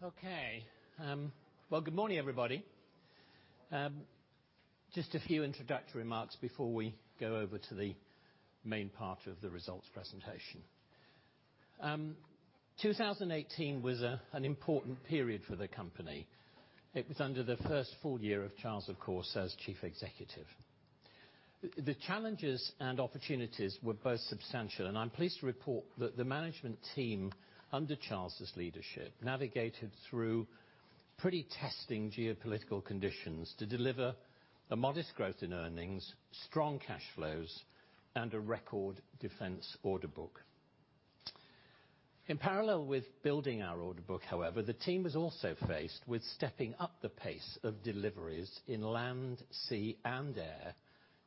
Well, good morning, everybody. Just a few introductory remarks before we go over to the main part of the results presentation. 2018 was an important period for the company. It was under the first full year of Charles, of course, as Chief Executive. The challenges and opportunities were both substantial, I am pleased to report that the management team, under Charles' leadership, navigated through pretty testing geopolitical conditions to deliver a modest growth in earnings, strong cash flows, and a record defense order book. In parallel with building our order book, however, the team was also faced with stepping up the pace of deliveries in land, sea, and air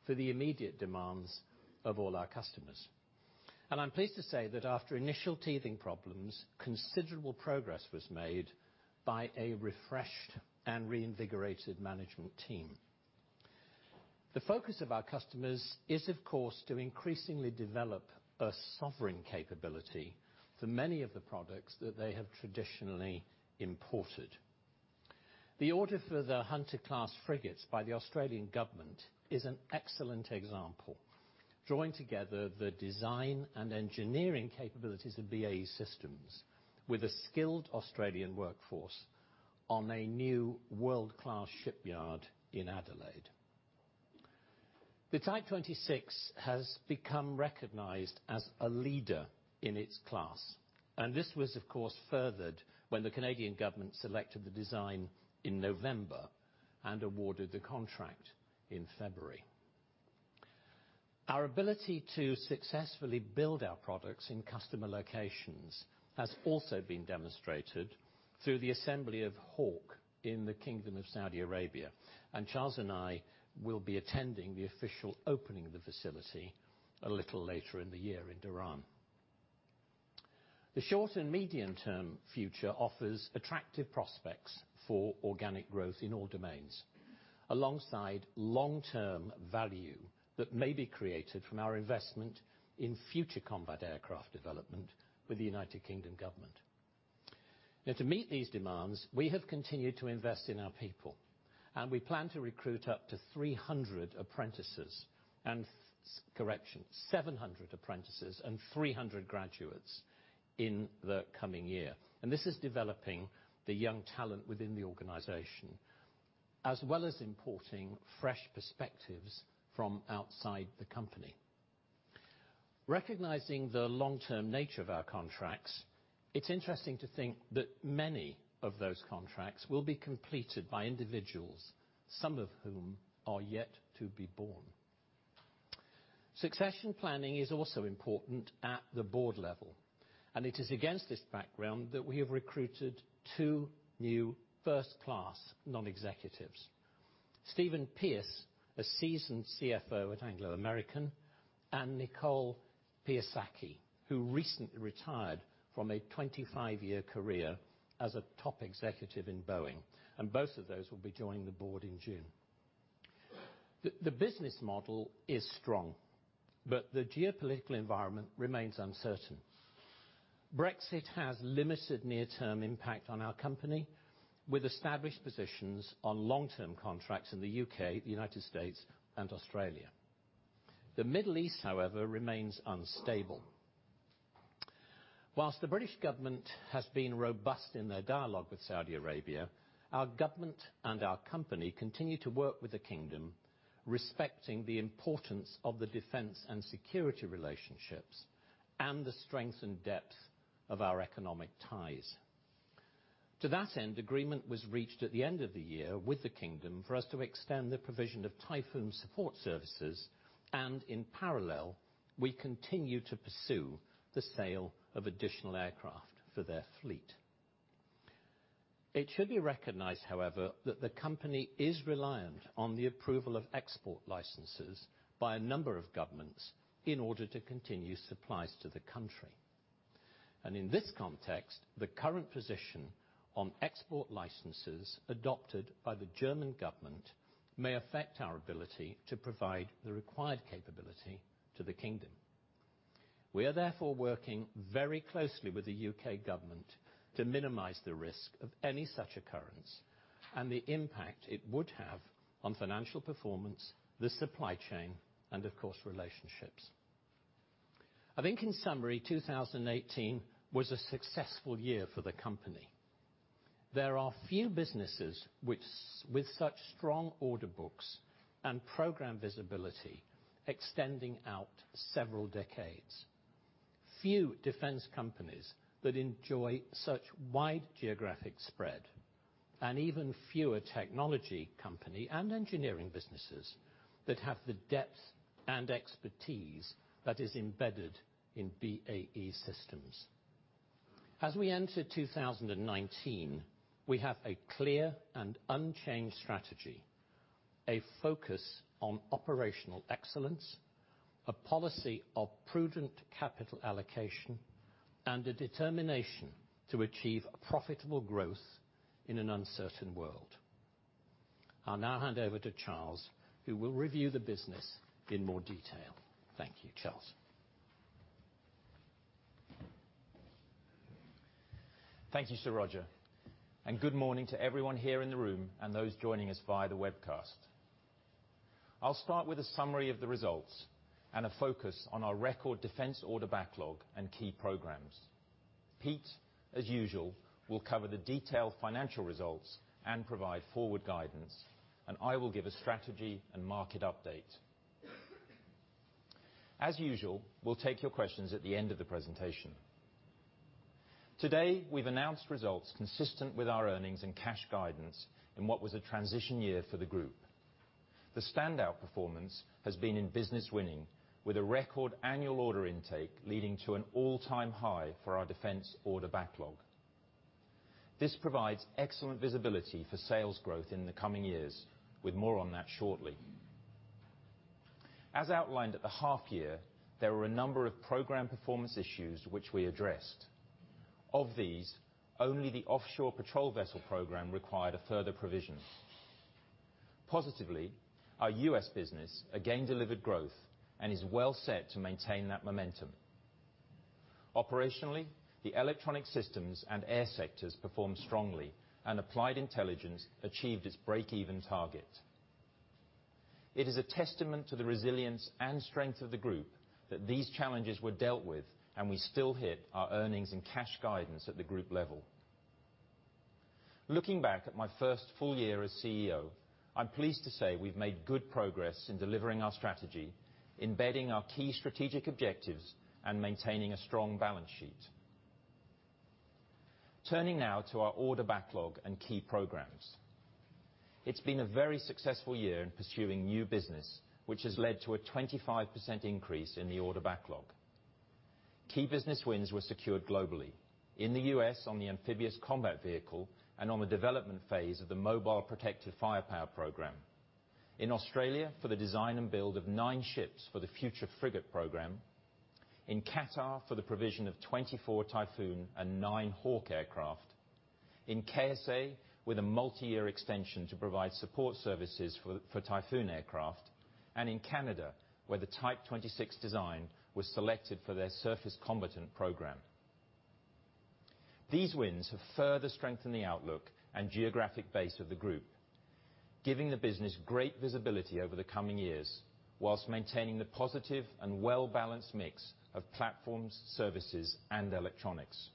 for the immediate demands of all our customers. I am pleased to say that after initial teething problems, considerable progress was made by a refreshed and reinvigorated management team. The focus of our customers is, of course, to increasingly develop a sovereign capability for many of the products that they have traditionally imported. The order for the Hunter-class frigates by the Australian government is an excellent example, drawing together the design and engineering capabilities of BAE Systems with a skilled Australian workforce on a new world-class shipyard in Adelaide. The Type 26 has become recognized as a leader in its class, this was, of course, furthered when the Canadian government selected the design in November and awarded the contract in February. Our ability to successfully build our products in customer locations has also been demonstrated through the assembly of Hawk in the Kingdom of Saudi Arabia, Charles and I will be attending the official opening of the facility a little later in the year in Dhahran. The short and medium-term future offers attractive prospects for organic growth in all domains, alongside long-term value that may be created from our investment in future combat aircraft development with the U.K. government. To meet these demands, we have continued to invest in our people, we plan to recruit up to 300 apprentices and, correction, 700 apprentices and 300 graduates in the coming year. This is developing the young talent within the organization, as well as importing fresh perspectives from outside the company. Recognizing the long-term nature of our contracts, it's interesting to think that many of those contracts will be completed by individuals, some of whom are yet to be born. Succession planning is also important at the board level, it is against this background that we have recruited two new first-class non-executives. Stephen Pearce, a seasoned CFO at Anglo American, Nicole Piasecki, who recently retired from a 25-year career as a top executive in Boeing. Both of those will be joining the board in June. The business model is strong, the geopolitical environment remains uncertain. Brexit has limited near-term impact on our company, with established positions on long-term contracts in the U.K., the U.S., and Australia. The Middle East, however, remains unstable. Whilst the British government has been robust in their dialogue with Saudi Arabia, our government and our company continue to work with the kingdom, respecting the importance of the defense and security relationships and the strength and depth of our economic ties. To that end, agreement was reached at the end of the year with the kingdom for us to extend the provision of Typhoon support services, and in parallel, we continue to pursue the sale of additional aircraft for their fleet. It should be recognized, however, that the company is reliant on the approval of export licenses by a number of governments in order to continue supplies to the country. In this context, the current position on export licenses adopted by the German government may affect our ability to provide the required capability to the kingdom. We are therefore working very closely with the U.K. government to minimize the risk of any such occurrence and the impact it would have on financial performance, the supply chain, and of course, relationships. I think, in summary, 2018 was a successful year for the company. There are few businesses with such strong order books and program visibility extending out several decades. Few defense companies that enjoy such wide geographic spread, and even fewer technology company and engineering businesses that have the depth and expertise that is embedded in BAE Systems. As we enter 2019, we have a clear and unchanged strategy, a focus on operational excellence, a policy of prudent capital allocation, and a determination to achieve profitable growth in an uncertain world. I'll now hand over to Charles, who will review the business in more detail. Thank you. Charles? Thank you, Sir Roger, good morning to everyone here in the room and those joining us via the webcast. I'll start with a summary of the results and a focus on our record defense order backlog and key programs. Pete, as usual, will cover the detailed financial results and provide forward guidance. I will give a strategy and market update. As usual, we'll take your questions at the end of the presentation. Today, we've announced results consistent with our earnings and cash guidance in what was a transition year for the group. The standout performance has been in business winning, with a record annual order intake leading to an all-time high for our defense order backlog. This provides excellent visibility for sales growth in the coming years, with more on that shortly. As outlined at the half year, there were a number of program performance issues which we addressed. Of these, only the Offshore Patrol Vessel program required a further provision. Positively, our U.S. business again delivered growth and is well set to maintain that momentum. Operationally, the Electronic Systems and Air sectors performed strongly, and Applied Intelligence achieved its break-even target. It is a testament to the resilience and strength of the group that these challenges were dealt with, and we still hit our earnings and cash guidance at the group level. Looking back at my first full year as CEO, I'm pleased to say we've made good progress in delivering our strategy, embedding our key strategic objectives, and maintaining a strong balance sheet. Turning now to our order backlog and key programs. It's been a very successful year in pursuing new business, which has led to a 25% increase in the order backlog. Key business wins were secured globally. In the U.S. on the Amphibious Combat Vehicle, and on the development phase of the Mobile Protected Firepower program. In Australia for the design and build of nine ships for the Future Frigate Program. In Qatar for the provision of 24 Typhoon and nine Hawk aircraft. In KSA with a multi-year extension to provide support services for Typhoon aircraft, and in Canada, where the Type 26 design was selected for their Surface Combatant Program. These wins have further strengthened the outlook and geographic base of the group, giving the business great visibility over the coming years whilst maintaining the positive and well-balanced mix of platforms, services, and electronics.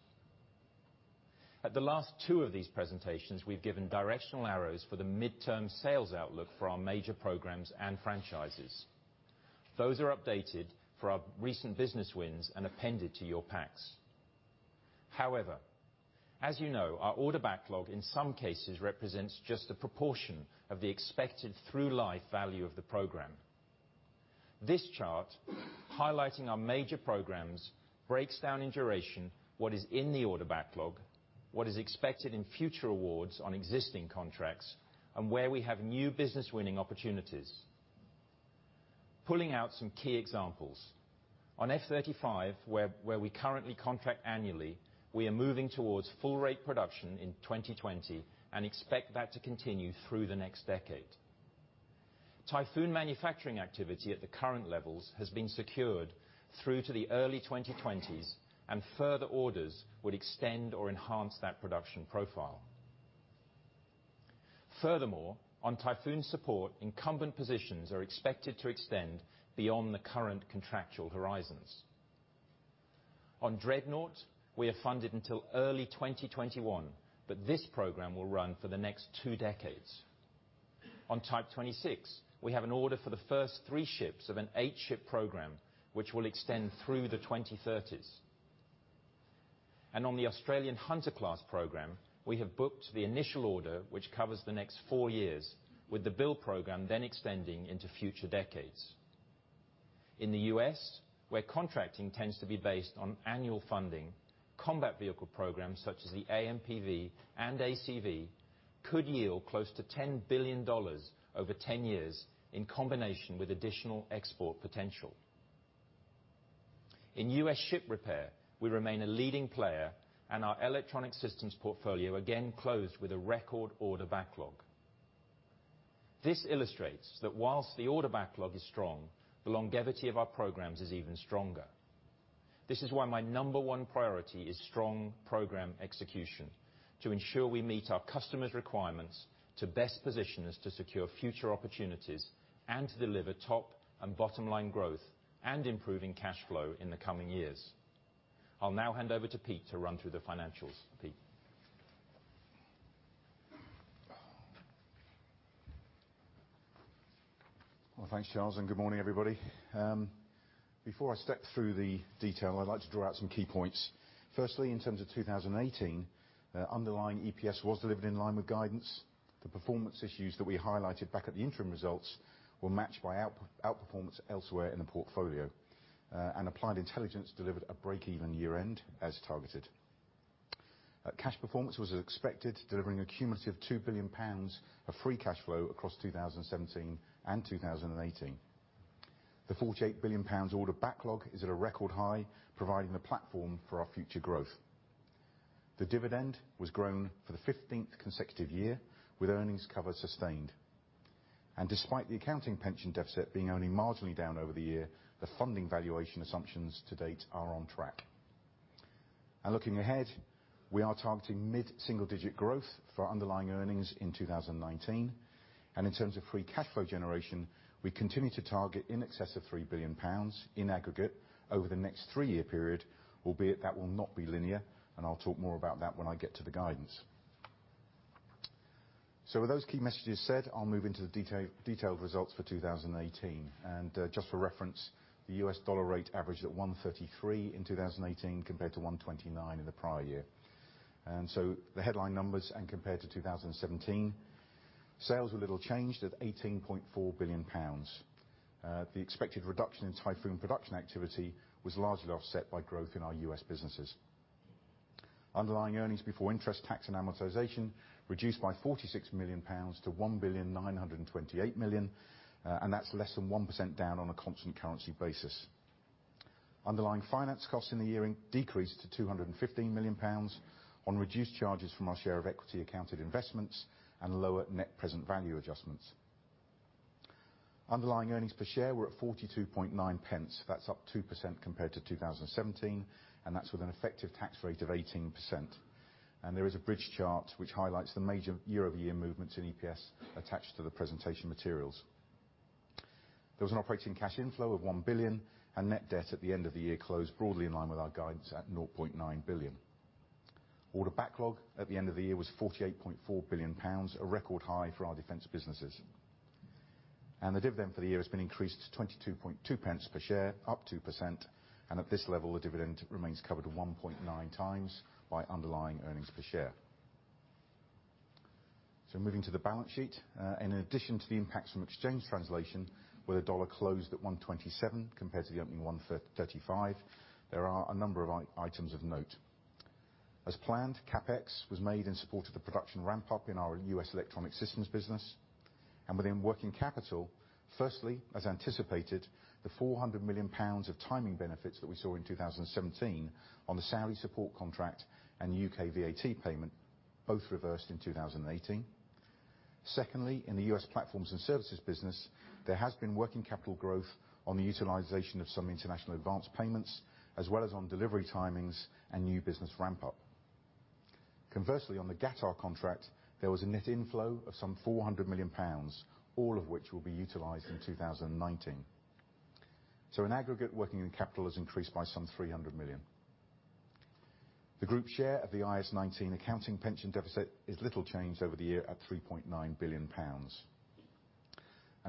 At the last two of these presentations, we've given directional arrows for the midterm sales outlook for our major programs and franchises. Those are updated for our recent business wins and appended to your packs. As you know, our order backlog in some cases represents just a proportion of the expected through life value of the program. This chart, highlighting our major programs, breaks down in duration what is in the order backlog, what is expected in future awards on existing contracts, and where we have new business-winning opportunities. Pulling out some key examples. On F-35, where we currently contract annually, we are moving towards full rate production in 2020 and expect that to continue through the next decade. Typhoon manufacturing activity at the current levels has been secured through to the early 2020s, and further orders would extend or enhance that production profile. On Typhoon support, incumbent positions are expected to extend beyond the current contractual horizons. On Dreadnought, we are funded until early 2021, but this program will run for the next two decades. On Type 26, we have an order for the first three ships of an eight-ship program, which will extend through the 2030s. On the Australian Hunter-class Program, we have booked the initial order, which covers the next four years, with the build program then extending into future decades. In the U.S., where contracting tends to be based on annual funding, combat vehicle programs such as the AMPV and ACV could yield close to $10 billion over 10 years in combination with additional export potential. In U.S. ship repair, we remain a leading player, and our Electronic Systems portfolio again closed with a record order backlog. This illustrates that whilst the order backlog is strong, the longevity of our programs is even stronger. This is why my number one priority is strong program execution to ensure we meet our customers' requirements to best position us to secure future opportunities and to deliver top and bottom-line growth and improving cash flow in the coming years. I will now hand over to Pete to run through the financials. Pete? Well, thanks, Charles, and good morning, everybody. Before I step through the detail, I would like to draw out some key points. Firstly, in terms of 2018, underlying EPS was delivered in line with guidance. The performance issues that we highlighted back at the interim results were matched by outperformance elsewhere in the portfolio. Applied Intelligence delivered a break-even year-end as targeted. Cash performance was as expected, delivering a cumulative 2 billion pounds of free cash flow across 2017 and 2018. The 48 billion pounds order backlog is at a record high, providing the platform for our future growth. The dividend was grown for the 15th consecutive year with earnings cover sustained. Despite the accounting pension deficit being only marginally down over the year, the funding valuation assumptions to date are on track. Looking ahead, we are targeting mid-single-digit growth for our underlying earnings in 2019. In terms of free cash flow generation, we continue to target in excess of 3 billion pounds in aggregate over the next three-year period, albeit that will not be linear, and I will talk more about that when I get to the guidance. With those key messages said, I will move into the detailed results for 2018. Just for reference, the U.S. dollar rate averaged at 133 in 2018 compared to 129 in the prior year. The headline numbers and compared to 2017, sales were little changed at 18.4 billion pounds. The expected reduction in Typhoon production activity was largely offset by growth in our U.S. businesses. Underlying earnings before interest, tax, and amortization reduced by 46 million pounds to 1.928 billion, and that is less than 1% down on a constant currency basis. Underlying finance costs in the year decreased to 215 million pounds on reduced charges from our share of equity accounted investments and lower net present value adjustments. Underlying earnings per share were at 0.429. That is up 2% compared to 2017, and that is with an effective tax rate of 18%. There is a bridge chart which highlights the major year-over-year movements in EPS attached to the presentation materials. There was an operating cash inflow of 1 billion, and net debt at the end of the year closed broadly in line with our guidance at 0.9 billion. Order backlog at the end of the year was 48.4 billion pounds, a record high for our defense businesses. The dividend for the year has been increased to 0.222 per share, up 2%, and at this level, the dividend remains covered 1.9 times by underlying earnings per share. Moving to the balance sheet. In addition to the impacts from exchange translation, where the dollar closed at 127 compared to the opening 135, there are a number of items of note. As planned, CapEx was made in support of the production ramp-up in our U.S. electronic systems business. Within working capital, firstly, as anticipated, the 400 million pounds of timing benefits that we saw in 2017 on the Saudi support contract and U.K. VAT payment both reversed in 2018. Secondly, in the U.S. Platforms & Services business, there has been working capital growth on the utilization of some international advanced payments, as well as on delivery timings and new business ramp-up. Conversely, on the Qatar contract, there was a net inflow of some 400 million pounds, all of which will be utilized in 2019. In aggregate, working capital has increased by some 300 million. The group share of the IAS 19 accounting pension deficit is little changed over the year at 3.9 billion pounds.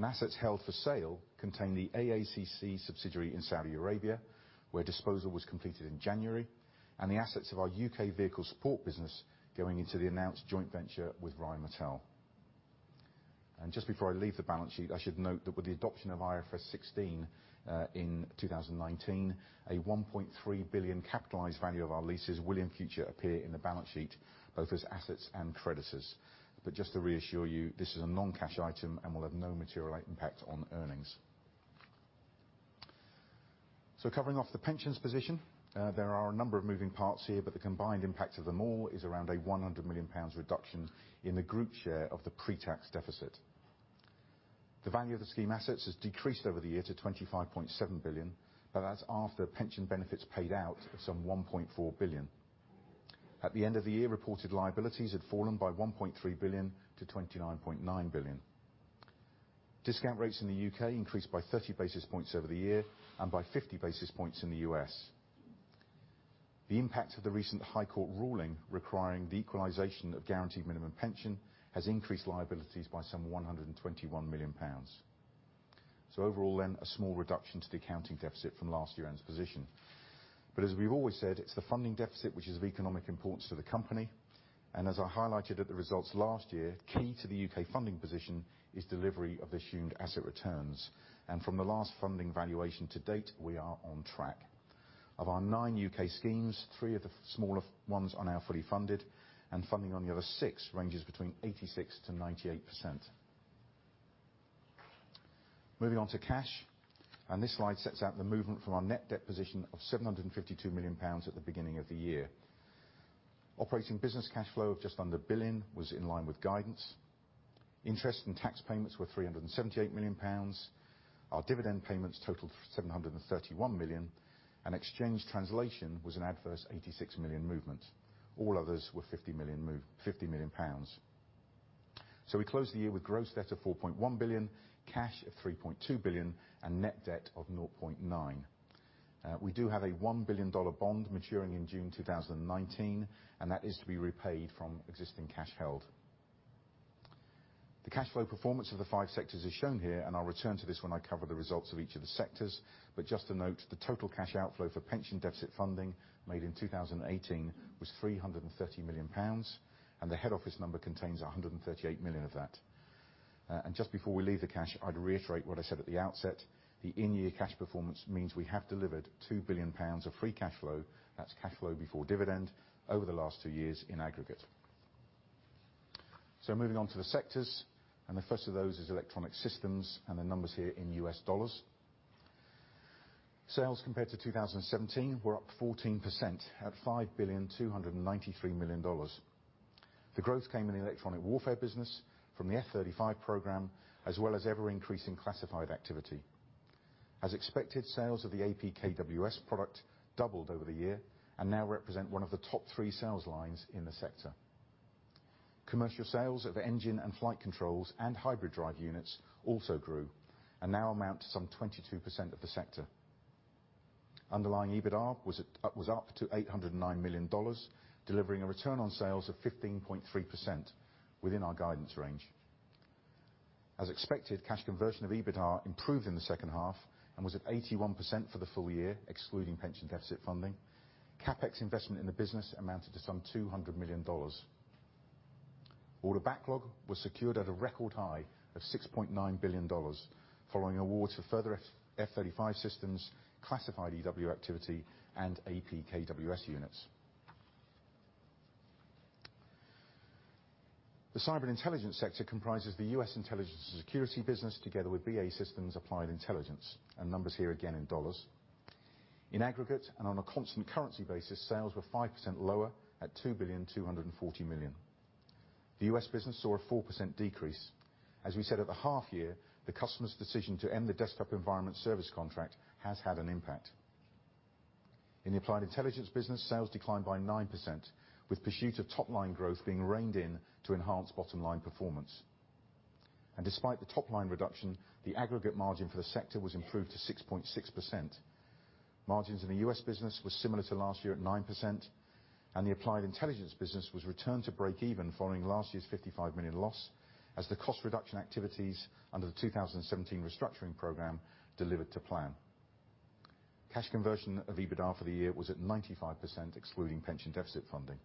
Assets held for sale contain the AACC subsidiary in Saudi Arabia, where disposal was completed in January, and the assets of our U.K. vehicle support business going into the announced joint venture with Rheinmetall. Just before I leave the balance sheet, I should note that with the adoption of IFRS 16 in 2019, a 1.3 billion capitalized value of our leases will in future appear in the balance sheet, both as assets and creditors. Just to reassure you, this is a non-cash item and will have no material impact on earnings. Covering off the pensions position, there are a number of moving parts here, but the combined impact of them all is around a 100 million pounds reduction in the group share of the pre-tax deficit. The value of the scheme assets has decreased over the year to 25.7 billion, but that's after pension benefits paid out of some 1.4 billion. At the end of the year, reported liabilities had fallen by 1.3 billion to 29.9 billion. Discount rates in the U.K. increased by 30 basis points over the year and by 50 basis points in the U.S. The impact of the recent High Court ruling requiring the equalization of guaranteed minimum pension has increased liabilities by some 121 million pounds. Overall then, a small reduction to the accounting deficit from last year-end's position. As we've always said, it's the funding deficit which is of economic importance to the company. As I highlighted at the results last year, key to the U.K. funding position is delivery of the assumed asset returns. From the last funding valuation to date, we are on track. Of our nine U.K. schemes, three of the smaller ones are now fully funded, and funding on the other six ranges between 86%-98%. Moving on to cash, this slide sets out the movement from our net debt position of 752 million pounds at the beginning of the year. Operating business cash flow of just under 1 billion was in line with guidance. Interest and tax payments were 378 million pounds. Our dividend payments totaled 731 million, and exchange translation was an adverse 86 million movement. All others were 50 million pounds. We closed the year with gross debt of 4.1 billion, cash of 3.2 billion, and net debt of 0.9 billion. We do have a $1 billion bond maturing in June 2019, that is to be repaid from existing cash held. The cash flow performance of the five sectors is shown here. I'll return to this when I cover the results of each of the sectors. Just to note, the total cash outflow for pension deficit funding made in 2018 was £330 million, and the head office number contains 138 million of that. Just before we leave the cash, I'd reiterate what I said at the outset. The in-year cash performance means we have delivered £2 billion of free cash flow, that's cash flow before dividend, over the last two years in aggregate. Moving on to the sectors, the first of those is Electronic Systems, and the numbers here in US dollars. Sales compared to 2017 were up 14% at $5,293,000,000. The growth came in the electronic warfare business from the F-35 program, as well as ever-increasing classified activity. As expected, sales of the APKWS product doubled over the year and now represent one of the top three sales lines in the sector. Commercial sales of engine and flight controls and hybrid drive units also grew and now amount to some 22% of the sector. Underlying EBITA was up to $809 million, delivering a return on sales of 15.3% within our guidance range. As expected, cash conversion of EBITA improved in the second half and was at 81% for the full year, excluding pension deficit funding. CapEx investment in the business amounted to some $200 million. Order backlog was secured at a record high of $6.9 billion, following awards of further F-35 systems, classified EW activity, and APKWS units. The cyber intelligence sector comprises the U.S. Intelligence & Security business, together with BAE Systems Applied Intelligence, and numbers here again in dollars. In aggregate and on a constant currency basis, sales were 5% lower at $2,240,000,000. The U.S. business saw a 4% decrease. As we said at the half year, the customer's decision to end the Desktop Environment Service contract has had an impact. In the Applied Intelligence business, sales declined by 9%, with pursuit of top-line growth being reined in to enhance bottom-line performance. Despite the top-line reduction, the aggregate margin for the sector was improved to 6.6%. Margins in the U.S. business were similar to last year at 9%, and the Applied Intelligence business was returned to break even following last year's $55 million loss, as the cost reduction activities under the 2017 restructuring program delivered to plan. Cash conversion of EBITA for the year was at 95%, excluding pension deficit funding.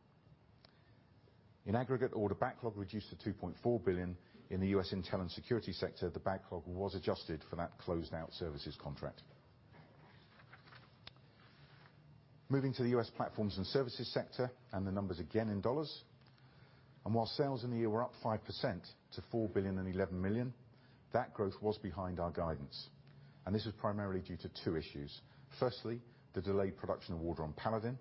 In aggregate, order backlog reduced to $2.4 billion in the U.S. Intelligence & Security sector. The backlog was adjusted for that closed out services contract. Moving to the U.S. Platforms & Services sector, the numbers again in dollars. While sales in the year were up 5% to $4,011,000,000, that growth was behind our guidance, and this was primarily due to two issues. Firstly, the delayed production award on Paladin,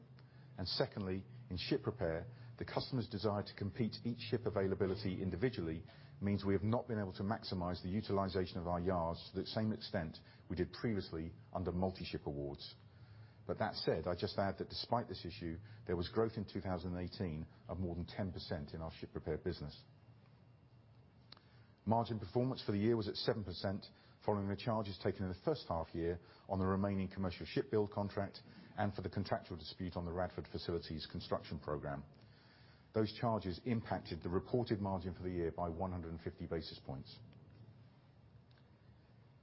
and secondly, in ship repair, the customer's desire to compete each ship availability individually means we have not been able to maximize the utilization of our yards to that same extent we did previously under multi-ship awards. That said, I just add that despite this issue, there was growth in 2018 of more than 10% in our ship repair business. Margin performance for the year was at 7% following the charges taken in the first half year on the remaining commercial ship build contract and for the contractual dispute on the Radford facility's construction program. Those charges impacted the reported margin for the year by 150 basis points.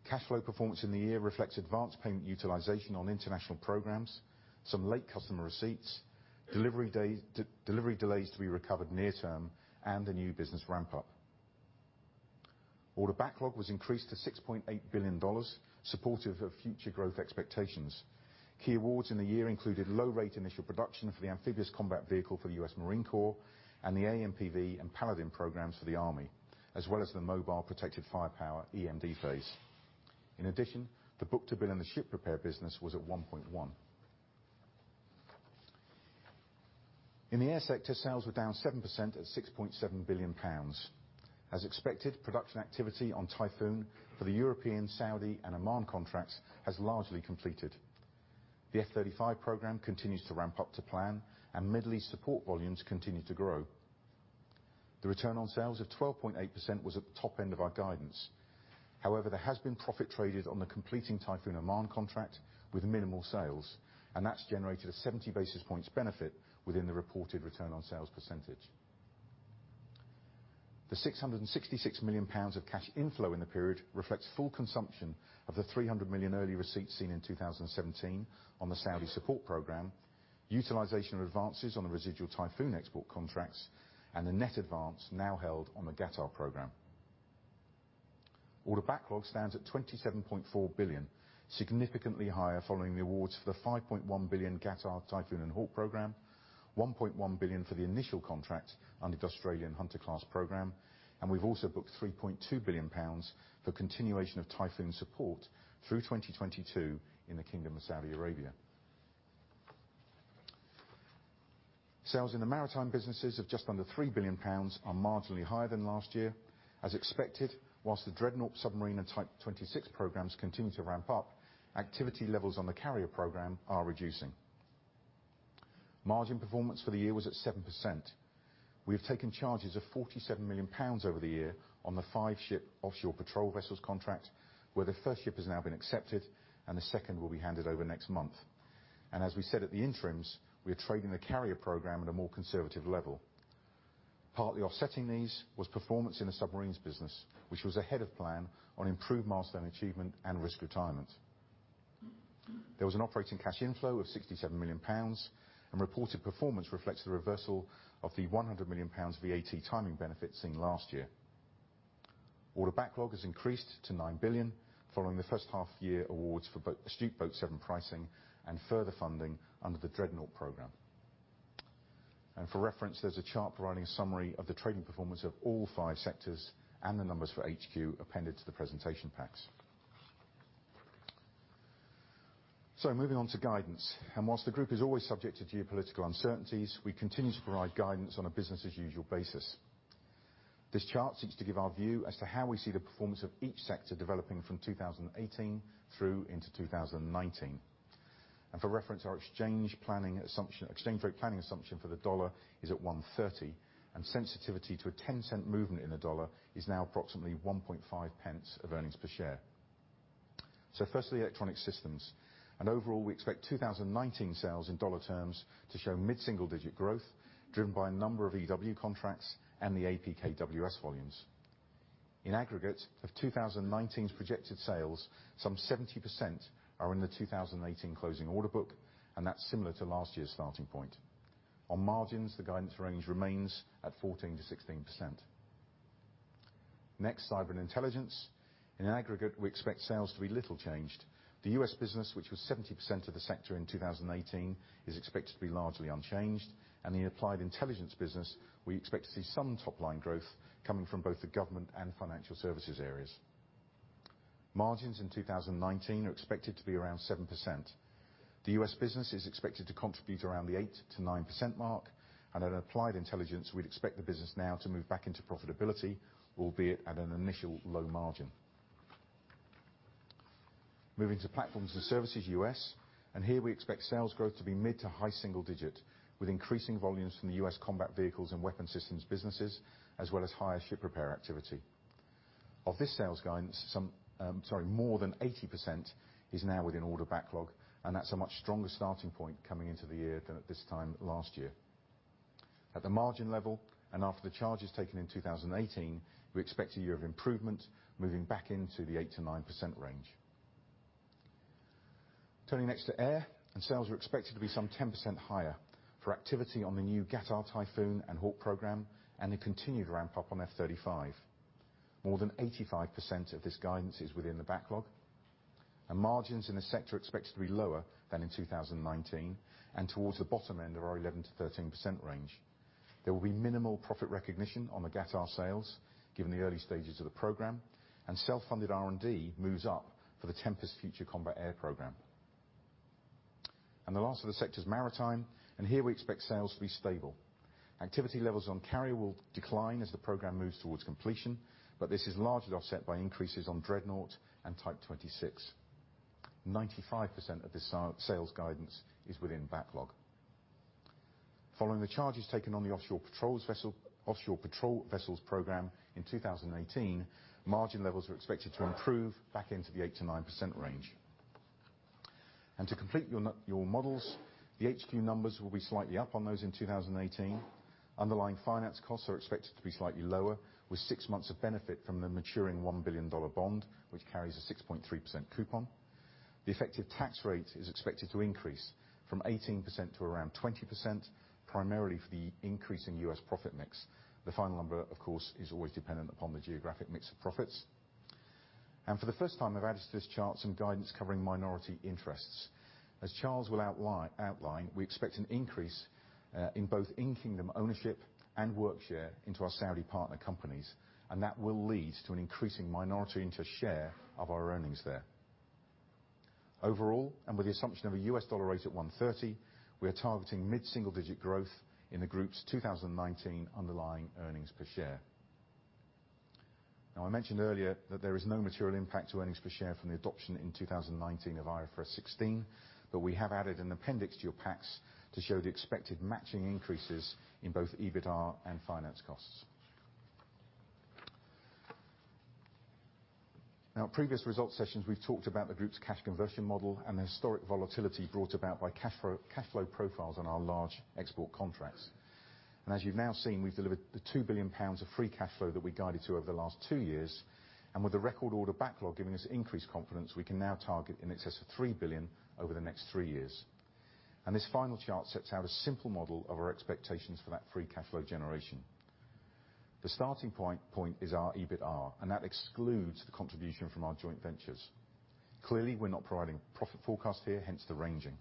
Cash flow performance in the year reflects advanced payment utilization on international programs, some late customer receipts, delivery delays to be recovered near term, and the new business ramp-up. Order backlog was increased to $6.8 billion, supportive of future growth expectations. Key awards in the year included low-rate initial production for the Amphibious Combat Vehicle for the U.S. Marine Corps and the AMPV and Paladin programs for the Army, as well as the Mobile Protected Firepower EMD phase. In addition, the book-to-bill in the ship repair business was at 1.1. In the air sector, sales were down 7% at £6.7 billion. As expected, production activity on Typhoon for the European, Saudi, and Oman contracts has largely completed. The F-35 program continues to ramp up to plan, and Middle East support volumes continue to grow. The return on sales of 12.8% was at the top end of our guidance. There has been profit traded on the completing Typhoon Oman contract with minimal sales, and that's generated a 70 basis points benefit within the reported return on sales percentage. The £666 million of cash inflow in the period reflects full consumption of the 300 million early receipts seen in 2017 on the Saudi support program, utilization of advances on the residual Typhoon export contracts, and the net advance now held on the Qatar program. Order backlog stands at 27.4 billion, significantly higher following the awards for the 5.1 billion Qatar Typhoon and Hawk program, 1.1 billion for the initial contract under the Australian Hunter-class program, and we've also booked £3.2 billion for continuation of Typhoon support through 2022 in the Kingdom of Saudi Arabia. Sales in the maritime businesses of just under £3 billion are marginally higher than last year. As expected, whilst the Dreadnought submarine and Type 26 programs continue to ramp up, activity levels on the carrier program are reducing. Margin performance for the year was at 7%. We have taken charges of £47 million over the year on the five-ship Offshore Patrol Vessel contract, where the first ship has now been accepted and the second will be handed over next month. As we said at the interims, we are trading the carrier program at a more conservative level. Partly offsetting these was performance in the submarines business, which was ahead of plan on improved milestone achievement and risk retirement. There was an operating cash inflow of £67 million, and reported performance reflects the reversal of the £100 million VAT timing benefit seen last year. Order backlog has increased to £9 billion following the first half year awards for Astute Boat 7 pricing and further funding under the Dreadnought program. For reference, there's a chart providing a summary of the trading performance of all five sectors and the numbers for HQ appended to the presentation packs. Moving on to guidance. Whilst the group is always subject to geopolitical uncertainties, we continue to provide guidance on a business as usual basis. This chart seeks to give our view as to how we see the performance of each sector developing from 2018 through into 2019. For reference, our exchange rate planning assumption for the dollar is at 1.30, sensitivity to a 0.10 movement in the dollar is now approximately 0.015 of earnings per share. Firstly, Electronic Systems. Overall, we expect 2019 sales in dollar terms to show mid-single-digit growth, driven by a number of EW contracts and the APKWS volumes. In aggregate of 2019's projected sales, some 70% are in the 2018 closing order book, and that is similar to last year's starting point. On margins, the guidance range remains at 14%-16%. Next, Cyber & Intelligence. In aggregate, we expect sales to be little changed. The U.S. business, which was 70% of the sector in 2018, is expected to be largely unchanged, and the Applied Intelligence business, we expect to see some top-line growth coming from both the government and financial services areas. Margins in 2019 are expected to be around 7%. The U.S. business is expected to contribute around the 8%-9% mark, and at Applied Intelligence, we would expect the business now to move back into profitability, albeit at an initial low margin. Moving to Platforms & Services U.S., here we expect sales growth to be mid to high single digit with increasing volumes from the U.S. combat vehicles and weapon systems businesses, as well as higher ship repair activity. Of this sales guidance, more than 80% is now within order backlog, that is a much stronger starting point coming into the year than at this time last year. At the margin level, after the charges taken in 2018, we expect a year of improvement, moving back into the 8%-9% range. Turning next to Air, sales are expected to be some 10% higher for activity on the new Qatar Typhoon and Hawk program, the continued ramp-up on F-35. More than 85% of this guidance is within the backlog. Margins in the sector are expected to be lower than in 2019, towards the bottom end of our 11%-13% range. There will be minimal profit recognition on the Qatar sales, given the early stages of the program, self-funded R&D moves up for the Tempest Future Combat Air program. The last of the sectors, Maritime, here we expect sales to be stable. Activity levels on carrier will decline as the program moves towards completion, this is largely offset by increases on Dreadnought and Type 26. 95% of the sales guidance is within backlog. Following the charges taken on the Offshore Patrol Vessel program in 2018, margin levels are expected to improve back into the 8%-9% range. To complete your models, the HQ numbers will be slightly up on those in 2018. Underlying finance costs are expected to be slightly lower, with six months of benefit from the maturing $1 billion bond, which carries a 6.3% coupon. The effective tax rate is expected to increase from 18% to around 20%, primarily for the increase in U.S. profit mix. The final number, of course, is always dependent upon the geographic mix of profits. For the first time, I have added to this chart some guidance covering minority interests. As Charles will outline, we expect an increase in both in-kingdom ownership and work share into our Saudi partner companies, that will lead to an increasing minority interest share of our earnings there. Overall, with the assumption of a US dollar rate at 130, we are targeting mid-single-digit growth in the group's 2019 underlying earnings per share. I mentioned earlier that there is no material impact to earnings per share from the adoption in 2019 of IFRS 16, but we have added an appendix to your packs to show the expected matching increases in both EBITAR and finance costs. In previous results sessions, we've talked about the group's cash conversion model and the historic volatility brought about by cash flow profiles on our large export contracts. As you've now seen, we've delivered the 2 billion pounds of free cash flow that we guided to over the last two years. With the record order backlog giving us increased confidence, we can now target in excess of 3 billion over the next three years. This final chart sets out a simple model of our expectations for that free cash flow generation. The starting point is our EBITAR, and that excludes the contribution from our joint ventures. Clearly, we're not providing profit forecast here, hence the ranging.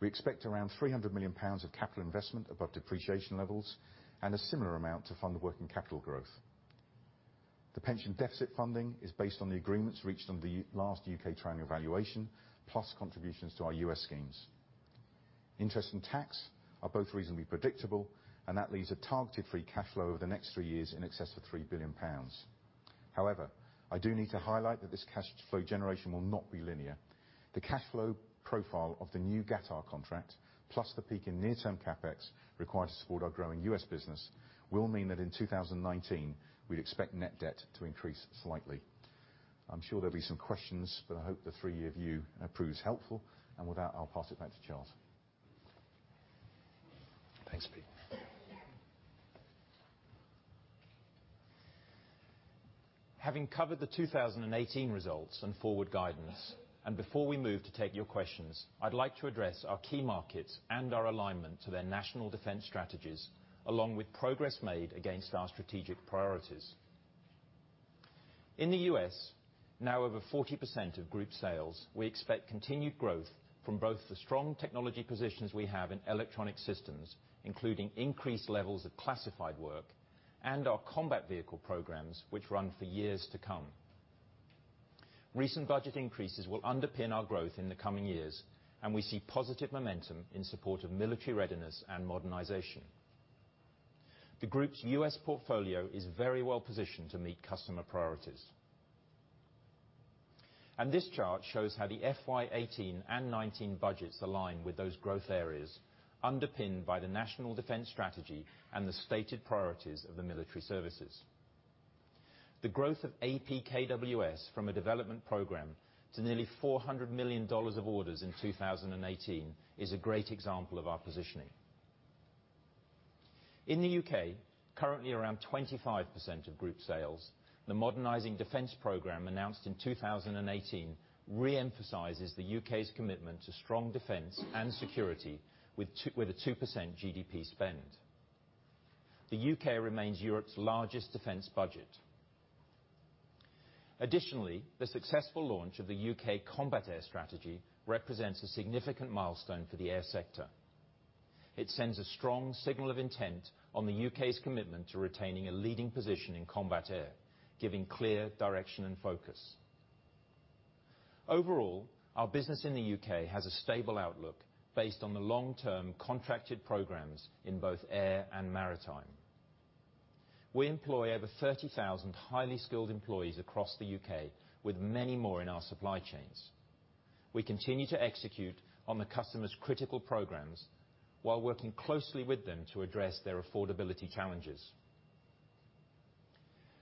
We expect around 300 million pounds of capital investment above depreciation levels and a similar amount to fund the working capital growth. The pension deficit funding is based on the agreements reached on the last U.K. triennial valuation, plus contributions to our U.S. schemes. Interest and tax are both reasonably predictable, that leaves a targeted free cash flow over the next three years in excess of 3 billion pounds. However, I do need to highlight that this cash flow generation will not be linear. The cash flow profile of the new Qatar contract, plus the peak in near-term CapEx required to support our growing U.S. business, will mean that in 2019, we'd expect net debt to increase slightly. I'm sure there'll be some questions, but I hope the three-year view proves helpful. With that, I'll pass it back to Charles. Thanks, Pete. Having covered the 2018 results and forward guidance, before we move to take your questions, I'd like to address our key markets and our alignment to their National Defense Strategies, along with progress made against our strategic priorities. In the U.S., now over 40% of group sales, we expect continued growth from both the strong technology positions we have in electronic systems, including increased levels of classified work, and our combat vehicle programs, which run for years to come. Recent budget increases will underpin our growth in the coming years, we see positive momentum in support of military readiness and modernization. The group's U.S. portfolio is very well-positioned to meet customer priorities. This chart shows how the FY 2018 and 2019 budgets align with those growth areas, underpinned by the National Defense Strategy and the stated priorities of the military services. The growth of APKWS from a development program to nearly GBP 400 million of orders in 2018 is a great example of our positioning. In the U.K., currently around 25% of group sales, the modernizing defense program announced in 2018 re-emphasizes the U.K.'s commitment to strong defense and security with a 2% GDP spend. The U.K. remains Europe's largest defense budget. Additionally, the successful launch of the U.K. Combat Air Strategy represents a significant milestone for the air sector. It sends a strong signal of intent on the U.K.'s commitment to retaining a leading position in combat air, giving clear direction and focus. Overall, our business in the U.K. has a stable outlook based on the long-term contracted programs in both air and maritime. We employ over 30,000 highly skilled employees across the U.K., with many more in our supply chains. We continue to execute on the customer's critical programs while working closely with them to address their affordability challenges.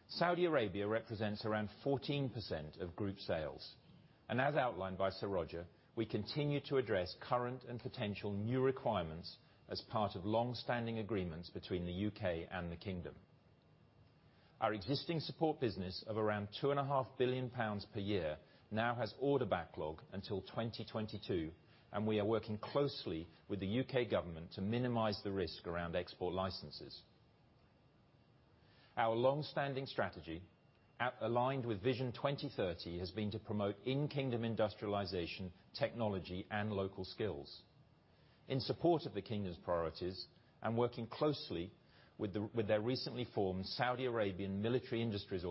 Saudi Arabia represents around 14% of group sales, as outlined by Sir Roger, we continue to address current and potential new requirements as part of longstanding agreements between the U.K. and the Kingdom. Our existing support business of around £2.5 billion per year now has order backlog until 2022, and we are working closely with the U.K. government to minimize the risk around export licenses. Our longstanding strategy, aligned with Vision 2030, has been to promote in-Kingdom industrialization, technology, and local skills. In support of the Kingdom's priorities, working closely with their recently formed Saudi Arabian Military Industries,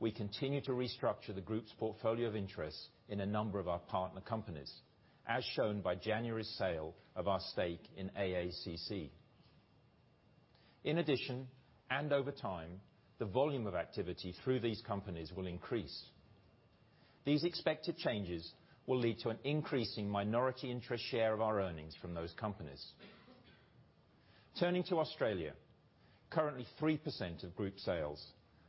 we continue to restructure the group's portfolio of interests in a number of our partner companies, as shown by January's sale of our stake in AACC. In addition, over time, the volume of activity through these companies will increase. These expected changes will lead to an increase in minority interest share of our earnings from those companies. Turning to Australia. Currently 3% of group sales.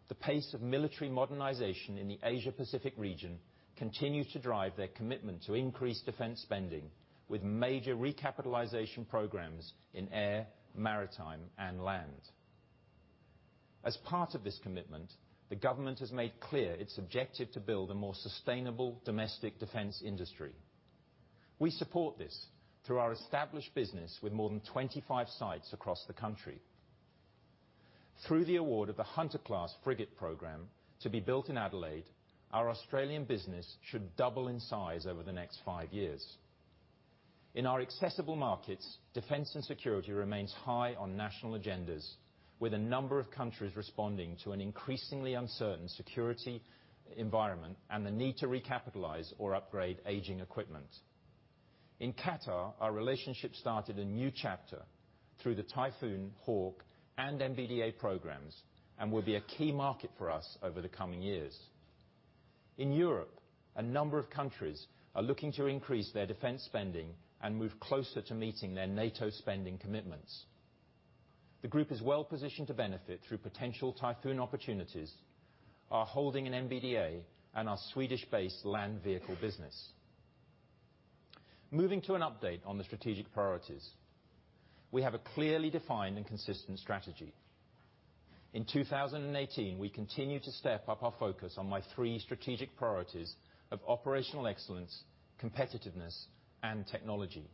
The pace of military modernization in the Asia-Pacific region continues to drive their commitment to increase defense spending with major recapitalization programs in air, maritime, and land. As part of this commitment, the government has made clear its objective to build a more sustainable domestic defense industry. We support this through our established business with more than 25 sites across the country. Through the award of the Hunter-class Frigate program to be built in Adelaide, our Australian business should double in size over the next five years. In our accessible markets, defense and security remains high on national agendas, with a number of countries responding to an increasingly uncertain security environment and the need to recapitalize or upgrade aging equipment. In Qatar, our relationship started a new chapter through the Typhoon, Hawk, and MBDA programs and will be a key market for us over the coming years. In Europe, a number of countries are looking to increase their defense spending and move closer to meeting their NATO spending commitments. The group is well-positioned to benefit through potential Typhoon opportunities, our holding in MBDA, and our Swedish-based land vehicle business. Moving to an update on the strategic priorities. We have a clearly defined and consistent strategy. In 2018, we continued to step up our focus on my three strategic priorities of operational excellence, competitiveness, and technology.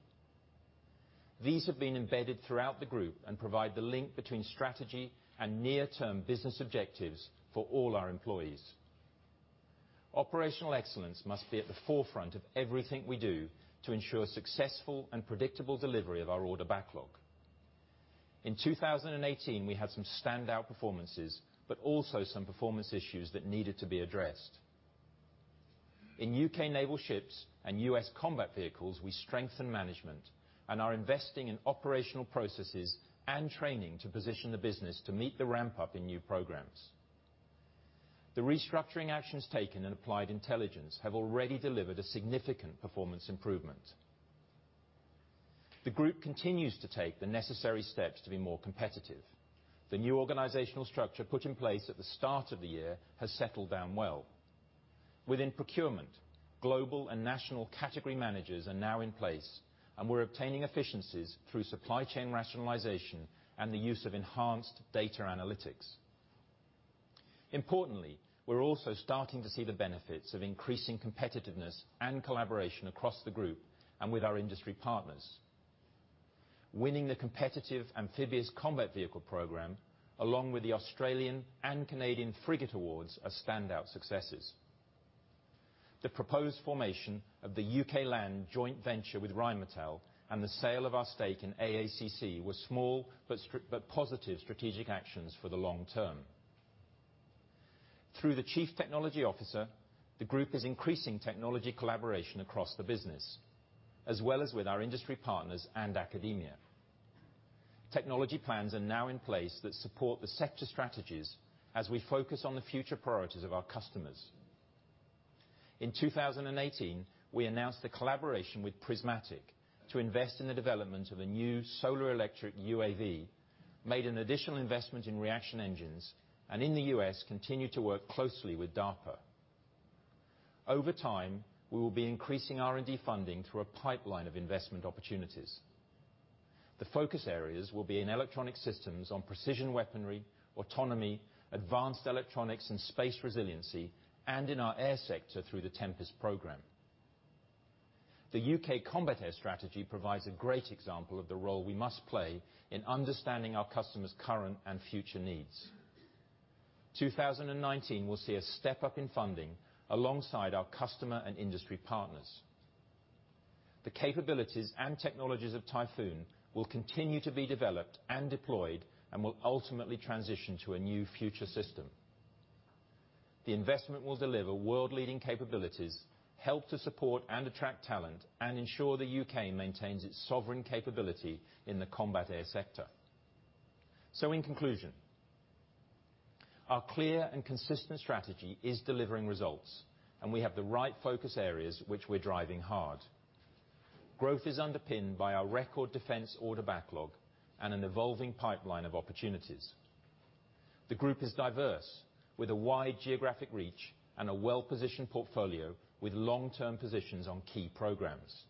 These have been embedded throughout the group and provide the link between strategy and near-term business objectives for all our employees. Operational excellence must be at the forefront of everything we do to ensure successful and predictable delivery of our order backlog. In 2018, we had some standout performances, but also some performance issues that needed to be addressed. In U.K. naval ships and U.S. combat vehicles, we strengthened management and are investing in operational processes and training to position the business to meet the ramp-up in new programs. The restructuring actions taken in Applied Intelligence have already delivered a significant performance improvement. The group continues to take the necessary steps to be more competitive. The new organizational structure put in place at the start of the year has settled down well. Within procurement, global and national category managers are now in place, and we're obtaining efficiencies through supply chain rationalization and the use of enhanced data analytics. Importantly, we're also starting to see the benefits of increasing competitiveness and collaboration across the group and with our industry partners. Winning the competitive Amphibious Combat Vehicle program, along with the Australian and Canadian frigate awards, are standout successes. The proposed formation of the U.K. land joint venture with Rheinmetall, and the sale of our stake in AACC was small, but positive strategic actions for the long term. Through the Chief Technology Officer, the group is increasing technology collaboration across the business, as well as with our industry partners and academia. Technology plans are now in place that support the sector strategies as we focus on the future priorities of our customers. In 2018, we announced a collaboration with Prismatic to invest in the development of a new solar electric UAV, made an additional investment in Reaction Engines, and in the U.S., continue to work closely with DARPA. Over time, we will be increasing R&D funding through a pipeline of investment opportunities. The focus areas will be in electronic systems on precision weaponry, autonomy, advanced electronics, and space resiliency, and in our air sector through the Tempest program. The U.K. Combat Air Strategy provides a great example of the role we must play in understanding our customers' current and future needs. 2019 will see a step-up in funding, alongside our customer and industry partners. The capabilities and technologies of Typhoon will continue to be developed and deployed, and will ultimately transition to a new future system. The investment will deliver world-leading capabilities, help to support and attract talent, and ensure the U.K. maintains its sovereign capability in the combat air sector. In conclusion, our clear and consistent strategy is delivering results, and we have the right focus areas, which we're driving hard. Growth is underpinned by our record defense order backlog and an evolving pipeline of opportunities. The group is diverse, with a wide geographic reach and a well-positioned portfolio with long-term positions on key programs.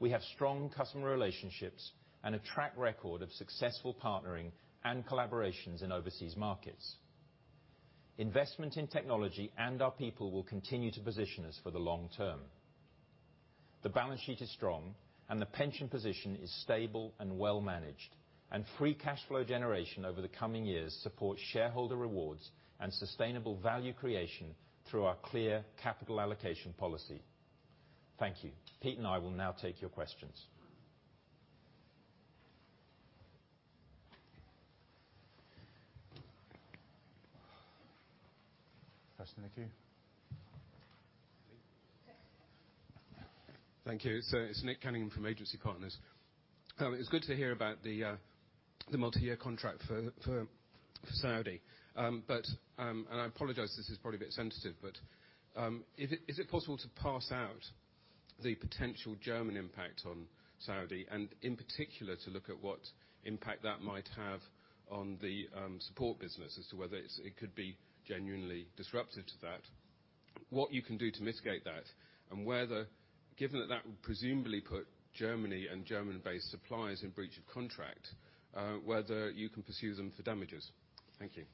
We have strong customer relationships and a track record of successful partnering and collaborations in overseas markets. Investment in technology and our people will continue to position us for the long term. The balance sheet is strong, and the pension position is stable and well managed, and free cash flow generation over the coming years supports shareholder rewards and sustainable value creation through our clear capital allocation policy. Thank you. Pete and I will now take your questions. First in the queue. Thank you. It's Nick Cunningham from Agency Partners. It's good to hear about the multi-year contract for Saudi. And I apologize, this is probably a bit sensitive, but is it possible to parse out the potential German impact on Saudi and, in particular, to look at what impact that might have on the support business as to whether it could be genuinely disruptive to that? What you can do to mitigate that, and whether, given that that would presumably put Germany and German-based suppliers in breach of contract, whether you can pursue them for damages. Thank you.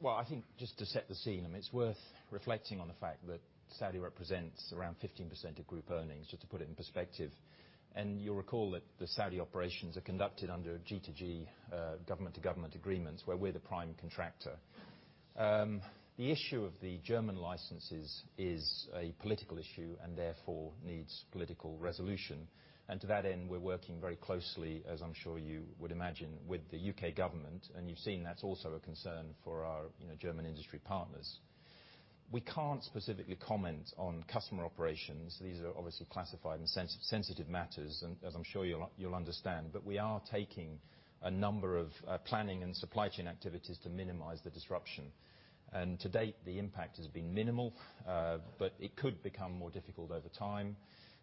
Well, I think just to set the scene, it's worth reflecting on the fact that Saudi represents around 15% of group earnings, just to put it in perspective. You'll recall that the Saudi operations are conducted under G2G, government-to-government agreements, where we're the prime contractor. The issue of the German licenses is a political issue and therefore needs political resolution, and to that end, we're working very closely, as I'm sure you would imagine, with the U.K. government, and you've seen that's also a concern for our German industry partners. We can't specifically comment on customer operations. These are obviously classified and sensitive matters, as I'm sure you'll understand, but we are taking a number of planning and supply chain activities to minimize the disruption. To date, the impact has been minimal, but it could become more difficult over time.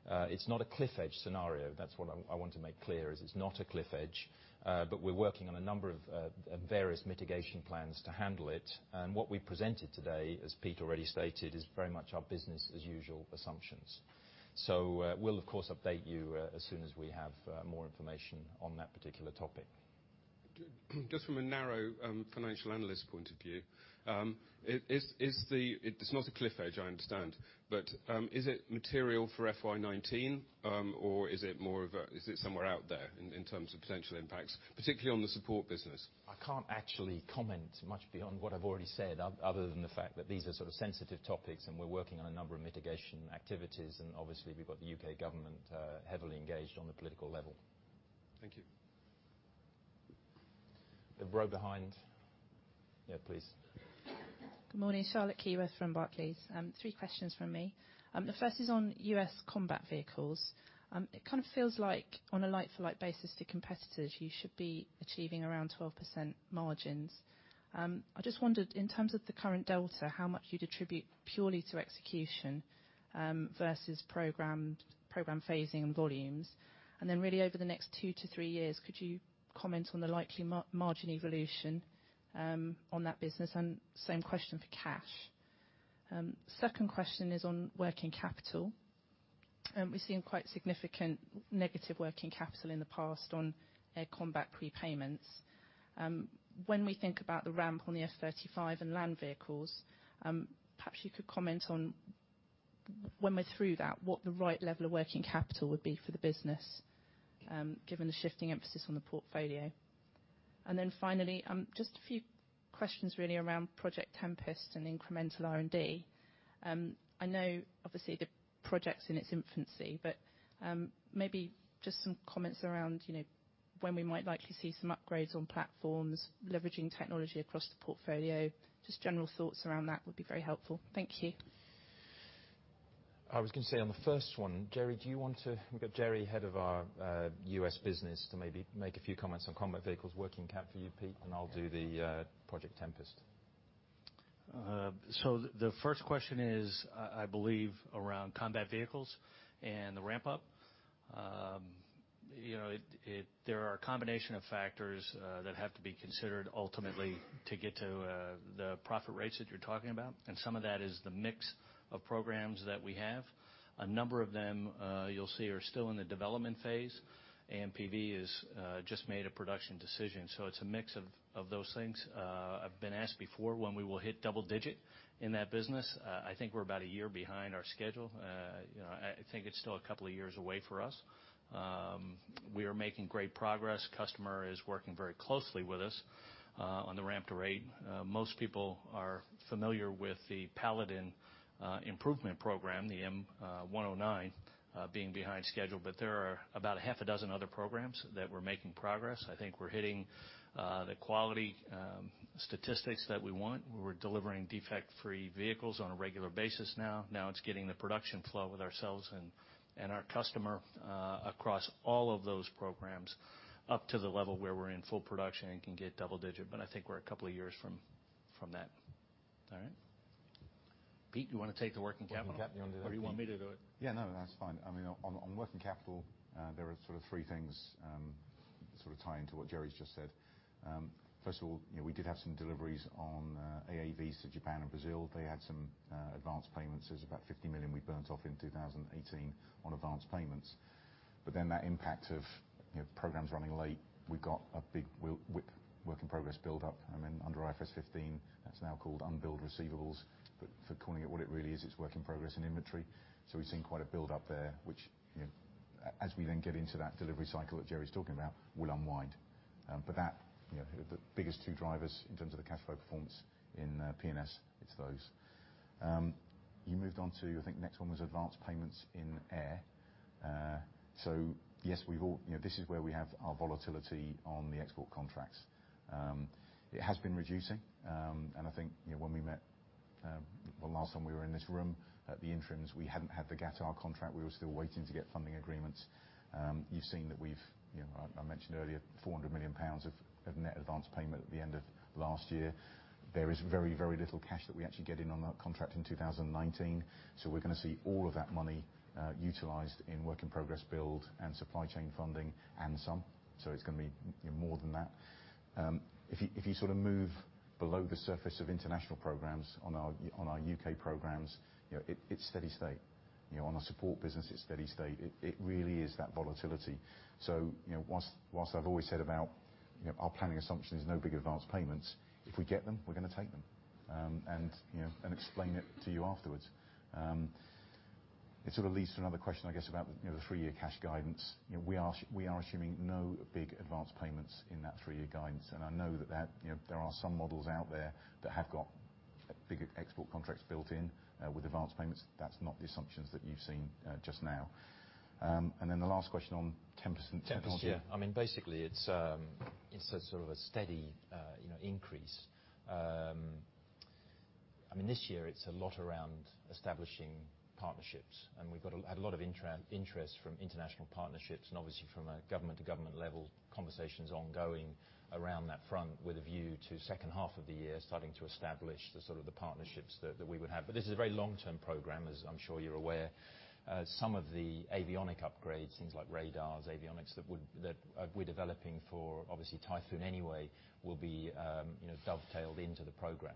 It's not a cliff edge scenario. That's what I want to make clear, is it's not a cliff edge, but we're working on a number of various mitigation plans to handle it. What we presented today, as Pete already stated, is very much our business as usual assumptions. We'll, of course, update you as soon as we have more information on that particular topic. Just from a narrow financial analyst point of view, it's not a cliff edge, I understand, but is it material for FY 2019 or is it somewhere out there in terms of potential impacts, particularly on the support business? I can't actually comment much beyond what I've already said, other than the fact that these are sort of sensitive topics and we're working on a number of mitigation activities. Obviously we've got the U.K. government heavily engaged on the political level. Thank you. The row behind. Yeah, please. Good morning. Charlotte Keyworth from Barclays. Three questions from me. The first is on U.S. combat vehicles. It kind of feels like on a like for like basis to competitors, you should be achieving around 12% margins. Then really over the next two to three years, could you comment on the likely margin evolution on that business? Same question for cash. Second question is on working capital. We've seen quite significant negative working capital in the past on air combat prepayments. When we think about the ramp on the F-35 and land vehicles, perhaps you could comment on When we're through that, what the right level of working capital would be for the business, given the shifting emphasis on the portfolio. Then finally, just a few questions really around Project Tempest and incremental R&D. I know, obviously, the project's in its infancy, but maybe just some comments around when we might likely see some upgrades on platforms, leveraging technology across the portfolio. Just general thoughts around that would be very helpful. Thank you. I was going to say on the first one, Jerry, do you want to We've got Jerry, head of our U.S. business, to maybe make a few comments on combat vehicles working cap for you, Peter, I'll do the Project Tempest. The first question is, I believe, around combat vehicles and the ramp-up. There are a combination of factors that have to be considered ultimately to get to the profit rates that you're talking about, and some of that is the mix of programs that we have. A number of them, you'll see, are still in the development phase. AMPV has just made a production decision. It's a mix of those things. I've been asked before when we will hit double digit in that business. I think we're about a year behind our schedule. I think it's still a couple of years away for us. We are making great progress. Customer is working very closely with us on the ramp to rate. Most people are familiar with the Paladin improvement program, the M109 being behind schedule. There are about a half a dozen other programs that we're making progress. I think we're hitting the quality statistics that we want. We're delivering defect-free vehicles on a regular basis now. Now it's getting the production flow with ourselves and our customer across all of those programs up to the level where we're in full production and can get double digit. I think we're a couple of years from that. All right. Pete, you want to take the working capital? Working capital, you want to do that? You want me to do it? That's fine. On working capital, there are sort of three things sort of tying to what Jerry's just said. First of all, we did have some deliveries on AAVs to Japan and Brazil. They had some advanced payments. There is about 50 million we burnt off in 2018 on advanced payments. That impact of programs running late, we got a big WIP, work in progress, build-up. Under IFRS 15, that's now called unbilled receivables, but for calling it what it really is, it's work in progress in inventory. We've seen quite a build-up there, which as we then get into that delivery cycle that Jerry's talking about, will unwind. The biggest two drivers in terms of the cash flow performance in P&S, it's those. You moved on to, I think next one was advanced payments in Air. Yes, this is where we have our volatility on the export contracts. It has been reducing, and I think when we met, well, last time we were in this room at the interims, we hadn't had the Qatar contract. We were still waiting to get funding agreements. You've seen that we've, I mentioned earlier, 400 million pounds of net advanced payment at the end of last year. There is very little cash that we actually get in on that contract in 2019. We're going to see all of that money utilized in work in progress build and supply chain funding and some. It's going to be more than that. If you sort of move below the surface of international programs on our U.K. programs, it's steady state. On our support business, it's steady state. It really is that volatility. Whilst I've always said about our planning assumption is no big advanced payments, if we get them, we're going to take them, and explain it to you afterwards. It sort of leads to another question, I guess, about the three-year cash guidance. We are assuming no big advanced payments in that three-year guidance, I know that there are some models out there that have got big export contracts built in with advanced payments. That's not the assumptions that you've seen just now. The last question on Tempest and technology. Tempest, yeah. This year, it's a lot around establishing partnerships. We've got a lot of interest from international partnerships and obviously from a government to government level conversations ongoing around that front with a view to second half of the year starting to establish the sort of the partnerships that we would have. This is a very long-term program, as I'm sure you're aware. Some of the avionic upgrades, things like radars, avionics that we're developing for, obviously, Typhoon anyway, will be dovetailed into the program.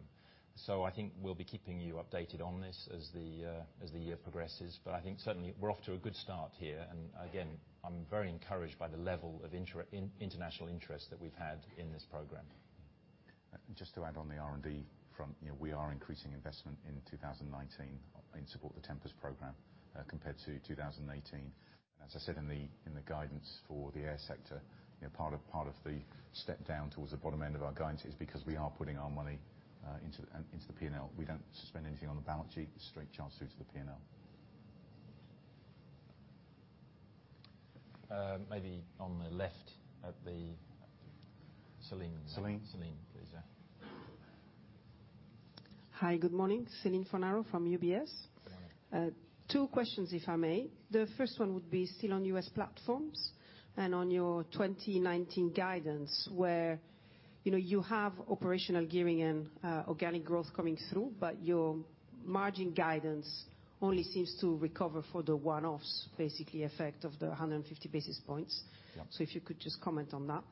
I think we'll be keeping you updated on this as the year progresses. I think certainly we're off to a good start here. Again, I'm very encouraged by the level of international interest that we've had in this program. Just to add on the R&D front, we are increasing investment in 2019 in support of the Tempest program compared to 2018. As I said in the guidance for the air sector, part of the step down towards the bottom end of our guidance is because we are putting our money into the P&L. We don't spend anything on the balance sheet, straight charge through to the P&L. Maybe on the left at the Celine. Celine. Celine, please, yeah. Hi, good morning. Celine Fornaro from UBS. Good morning. Two questions, if I may. The first one would be still on U.S. platforms and on your 2019 guidance, where you have operational gearing and organic growth coming through, your margin guidance only seems to recover for the one-offs, basically effect of the 150 basis points. Yeah. If you could just comment on that.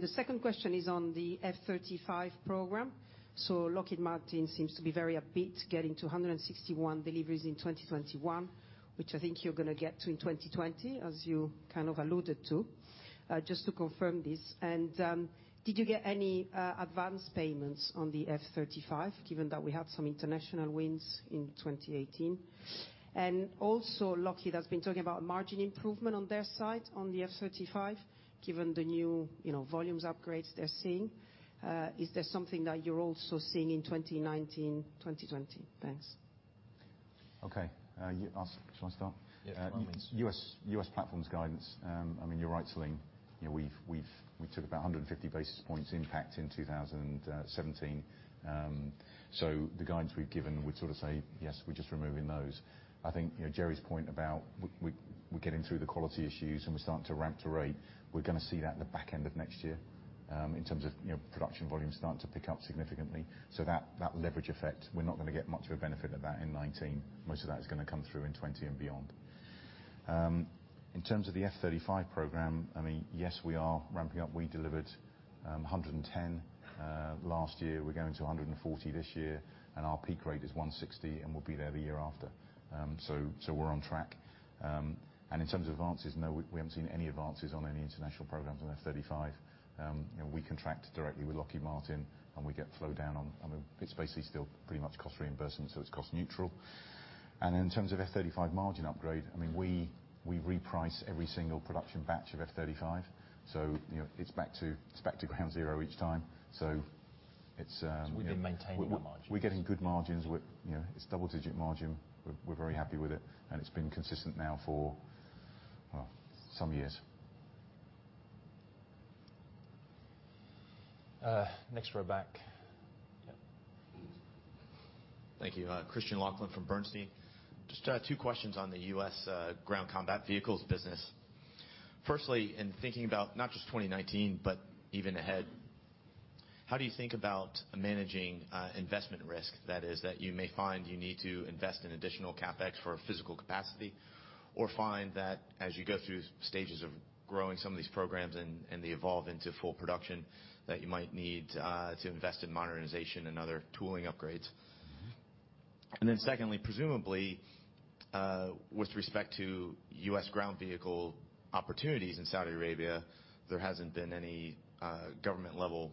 The second question is on the F-35 Program. Lockheed Martin seems to be very upbeat, getting to 161 deliveries in 2021. Which I think you're going to get to in 2020, as you kind of alluded to. Did you get any advance payments on the F-35, given that we had some international wins in 2018? Also, Lockheed has been talking about margin improvement on their side on the F-35, given the new volumes upgrades they're seeing. Is that something that you're also seeing in 2019, 2020? Thanks. Okay. Shall I start? Yes. U.S. Platforms guidance. You're right, Celine. We took about 150 basis points impact in 2017. The guidance we've given, we'd sort of say, yes, we're just removing those. I think, Jerry's point about we're getting through the quality issues and we're starting to ramp the rate. We're going to see that in the back end of next year, in terms of production volumes starting to pick up significantly. That leverage effect, we're not going to get much of a benefit of that in 2019. Most of that is going to come through in 2020 and beyond. In terms of the F-35 program, yes, we are ramping up. We delivered 110 last year, we're going to 140 this year, and our peak rate is 160, and we'll be there the year after. We're on track. In terms of advances, no, we haven't seen any advances on any international programs on F-35. We contract directly with Lockheed Martin, and we get slowed down on. It's basically still pretty much cost reimbursement, so it's cost neutral. In terms of F-35 margin upgrade, we reprice every single production batch of F-35. It's back to ground zero each time. It's. We've been maintaining the margins. We're getting good margins. It's double-digit margin. We're very happy with it, and it's been consistent now for some years. Next row back. Yep. Thank you. Christophe Menard from Bernstein. Just two questions on the U.S. Ground Combat Vehicles business. Firstly, in thinking about not just 2019, but even ahead, how do you think about managing investment risk? That is, that you may find you need to invest in additional CapEx for physical capacity, or find that as you go through stages of growing some of these programs and they evolve into full production, that you might need to invest in modernization and other tooling upgrades. Secondly, presumably, with respect to U.S. ground vehicle opportunities in Saudi Arabia, there hasn't been any government-level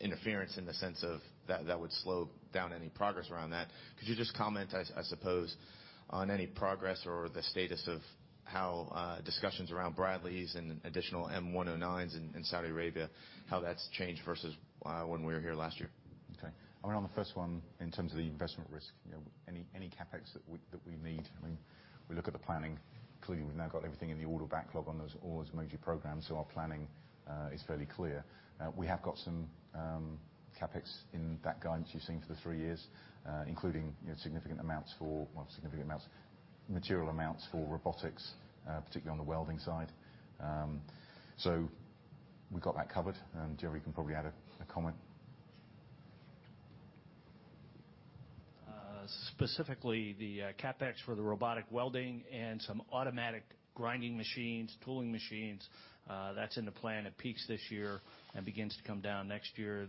interference in the sense of that would slow down any progress around that. Could you just comment, I suppose, on any progress or the status of how discussions around Bradleys and additional M109s in Saudi Arabia, how that's changed versus when we were here last year? On the first one, in terms of the investment risk, any CapEx that we need, we look at the planning. Clearly, we've now got everything in the order backlog on those major programs, so our planning is fairly clear. We have got some CapEx in that guidance you're seeing for the 3 years, including significant amounts, material amounts for robotics, particularly on the welding side. We've got that covered. Jerry can probably add a comment. Specifically, the CapEx for the robotic welding and some automatic grinding machines, tooling machines, that's in the plan. It peaks this year and begins to come down next year.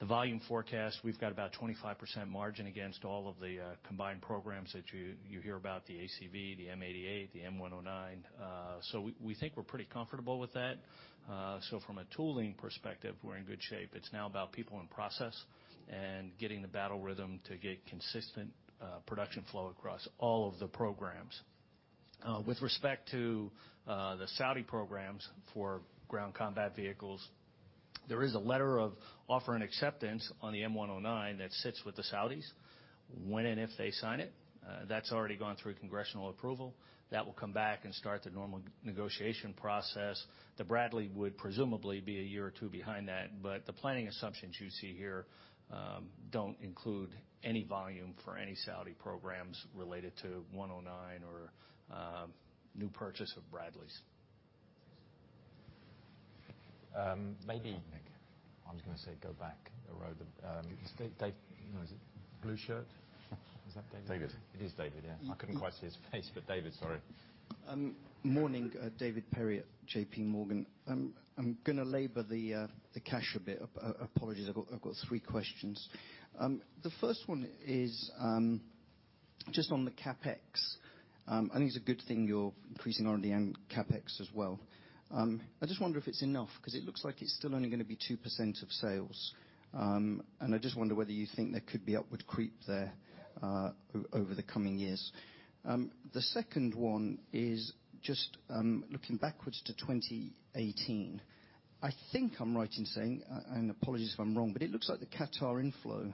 The volume forecast, we've got about 25% margin against all of the combined programs that you hear about, the ACV, the M88, the M109. We think we're pretty comfortable with that. From a tooling perspective, we're in good shape. It's now about people and process and getting the battle rhythm to get consistent production flow across all of the programs. With respect to the Saudi programs for ground combat vehicles, there is a letter of offer and acceptance on the M109 that sits with the Saudis when and if they sign it. It's already gone through congressional approval. It will come back and start the normal negotiation process. The Bradley would presumably be a year or two behind that, the planning assumptions you see here don't include any volume for any Saudi programs related to 109 or new purchase of Bradleys. Maybe- Nick. I was going to say go back a row. Is it blue shirt? Is that David? David. It is David, yeah. I couldn't quite see his face, but David, sorry. Morning. David Perry at JPMorgan. I'm going to labor the cash a bit. Apologies, I've got three questions. The first one is just on the CapEx. I think it's a good thing you're increasing R&D and CapEx as well. I just wonder if it's enough, because it looks like it's still only going to be 2% of sales. I just wonder whether you think there could be upward creep there over the coming years. The second one is just looking backwards to 2018. I think I'm right in saying, and apologies if I'm wrong, but it looks like the Qatar inflow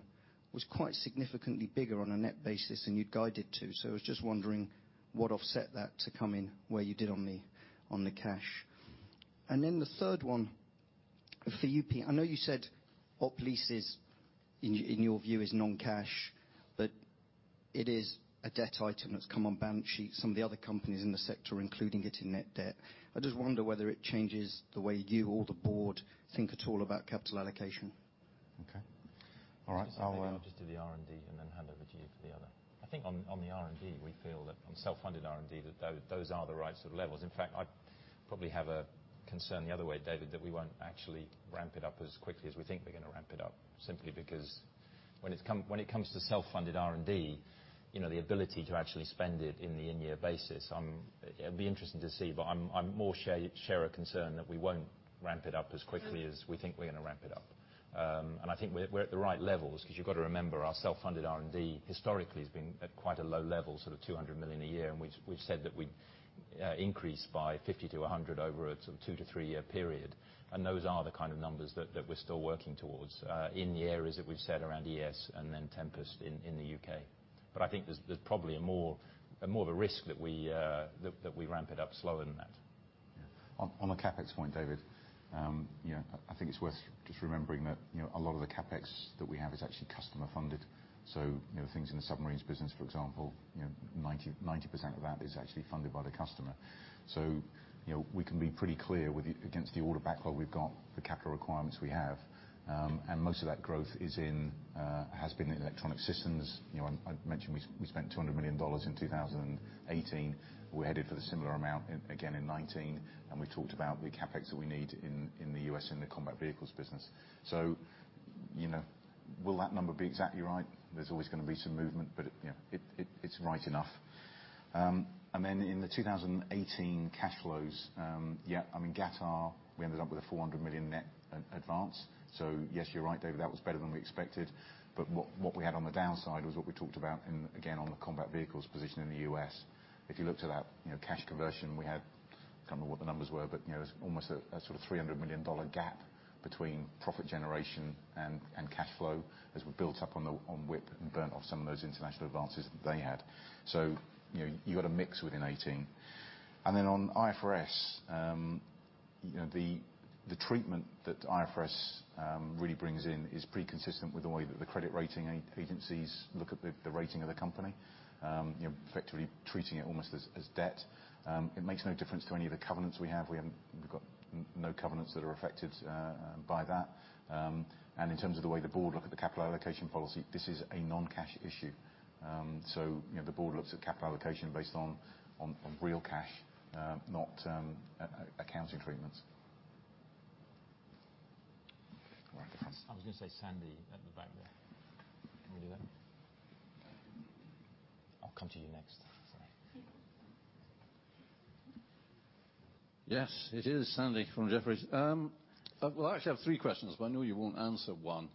was quite significantly bigger on a net basis than you'd guided to. I was just wondering what offset that to come in where you did on the cash. The third one, for you, Pete, I know you said op leases, in your view, is non-cash, but it is a debt item that's come on balance sheets. Some of the other companies in the sector are including it in net debt. I just wonder whether it changes the way you or the Board think at all about capital allocation. Okay. All right. I'll just do the R&D and then hand over to you for the other. I think on the R&D, we feel that on self-funded R&D, that those are the right sort of levels. In fact, I probably have a Concern the other way, David, that we won't actually ramp it up as quickly as we think we're going to ramp it up, simply because when it comes to self-funded R&D, the ability to actually spend it in the in-year basis, it'd be interesting to see, but I more share a concern that we won't ramp it up as quickly as we think we're going to ramp it up. I think we're at the right levels because you've got to remember, our self-funded R&D historically has been at quite a low level, sort of 200 million a year, and we've said that we'd increase by 50-100 over a sort of two to three-year period. Those are the kind of numbers that we're still working towards in the areas that we've said around ES and then Tempest in the U.K. I think there's probably more of a risk that we ramp it up slower than that. On the CapEx point, David, I think it's worth just remembering that a lot of the CapEx that we have is actually customer funded. Things in the submarines business, for example, 90% of that is actually funded by the customer. We can be pretty clear against the order backlog we've got, the capital requirements we have. Most of that growth has been in Electronic Systems. I mentioned we spent GBP 200 million in 2018. We're headed for the similar amount again in 2019. We talked about the CapEx that we need in the U.S. in the combat vehicles business. Will that number be exactly right? There's always going to be some movement, but it's right enough. In the 2018 cash flows, I mean, Qatar, we ended up with a 400 million net advance. Yes, you're right, David, that was better than we expected. What we had on the downside was what we talked about, again, on the combat vehicles position in the U.S. If you looked at that cash conversion, we had, can't remember what the numbers were, but it was almost a sort of GBP 300 million gap between profit generation and cash flow as we built up on WIP and burnt off some of those international advances that they had. You had a mix within 2018. On IFRS, the treatment that IFRS really brings in is pretty consistent with the way that the credit rating agencies look at the rating of the company. Effectively treating it almost as debt. It makes no difference to any of the covenants we have. We've got no covenants that are affected by that. In terms of the way the Board look at the capital allocation policy, this is a non-cash issue. The Board looks at capital allocation based on real cash, not accounting treatments. I was going to say Sandy at the back there. Can we do that? I'll come to you next. Sorry. Yes, it is Sandy from Jefferies. I actually have three questions, but I know you won't answer one.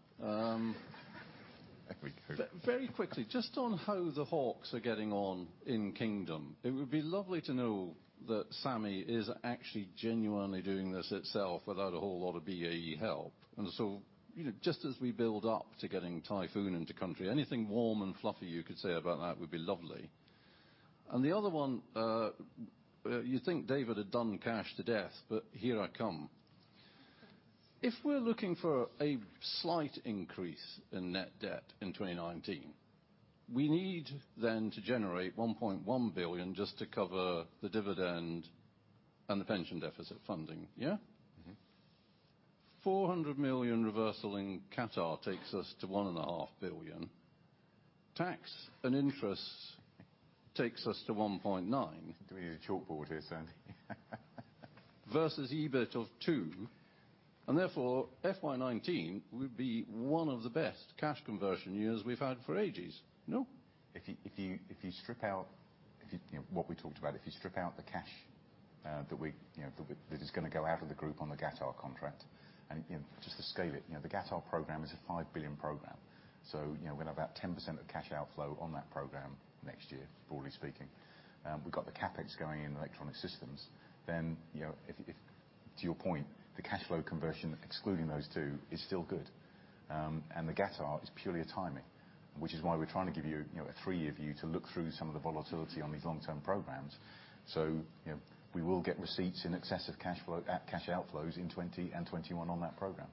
Very quickly, just on how the Hawks are getting on in Kingdom, it would be lovely to know that SAMI is actually genuinely doing this itself without a whole lot of BAE help. Just as we build up to getting Typhoon into country, anything warm and fluffy you could say about that would be lovely. The other one, you'd think David had done cash to death, but here I come. If we're looking for a slight increase in net debt in 2019, we need then to generate 1.1 billion just to cover the dividend and the pension deficit funding, yeah? 400 million reversal in Qatar takes us to 1.5 billion. Tax and interest takes us to 1.9 billion. Do we need a chalkboard here, Sandy? Versus EBIT of two, therefore FY 2019 would be one of the best cash conversion years we've had for ages, no? If you strip out what we talked about, if you strip out the cash that is going to go out of the group on the Qatar contract, and just to scale it, the Qatar program is a 5 billion program. We're going to have about 10% of cash outflow on that program next year, broadly speaking. We've got the CapEx going in electronic systems. To your point, the cash flow conversion, excluding those two, is still good. The Qatar is purely a timing, which is why we're trying to give you a three-year view to look through some of the volatility on these long-term programs. We will get receipts in excess of cash outflows in 2020 and 2021 on that program.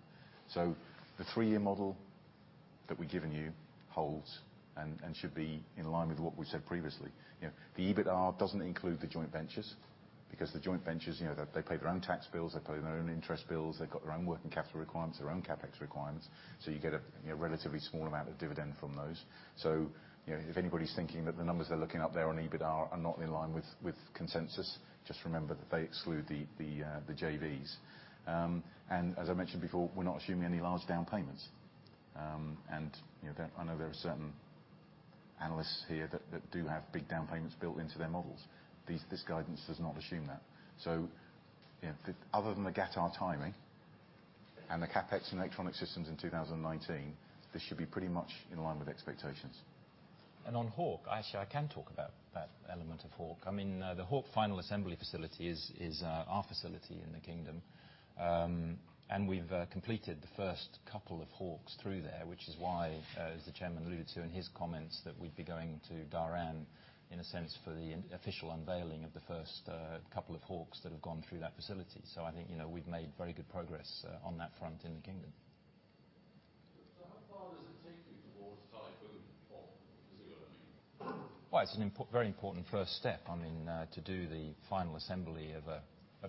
The three-year model that we've given you holds and should be in line with what we've said previously. The EBITAR doesn't include the joint ventures because the joint ventures, they pay their own tax bills, they pay their own interest bills, they've got their own working capital requirements, their own CapEx requirements. You get a relatively small amount of dividend from those. If anybody's thinking that the numbers they're looking at there on EBITAR are not in line with consensus, just remember that they exclude the JVs. As I mentioned before, we're not assuming any large down payments. I know there are certain analysts here that do have big down payments built into their models. This guidance does not assume that. Other than the Qatar timing and the CapEx and electronic systems in 2019, this should be pretty much in line with expectations. On Hawk, actually, I can talk about that element of Hawk. The Hawk final assembly facility is our facility in the Kingdom. We've completed the first couple of Hawks through there, which is why, as the chairman alluded to in his comments, that we'd be going to Dhahran in a sense for the official unveiling of the first couple of Hawks that have gone through that facility. I think we've made very good progress on that front in the Kingdom. How far does it take you towards Typhoon, Hawk? It's a very important first step. To do the final assembly of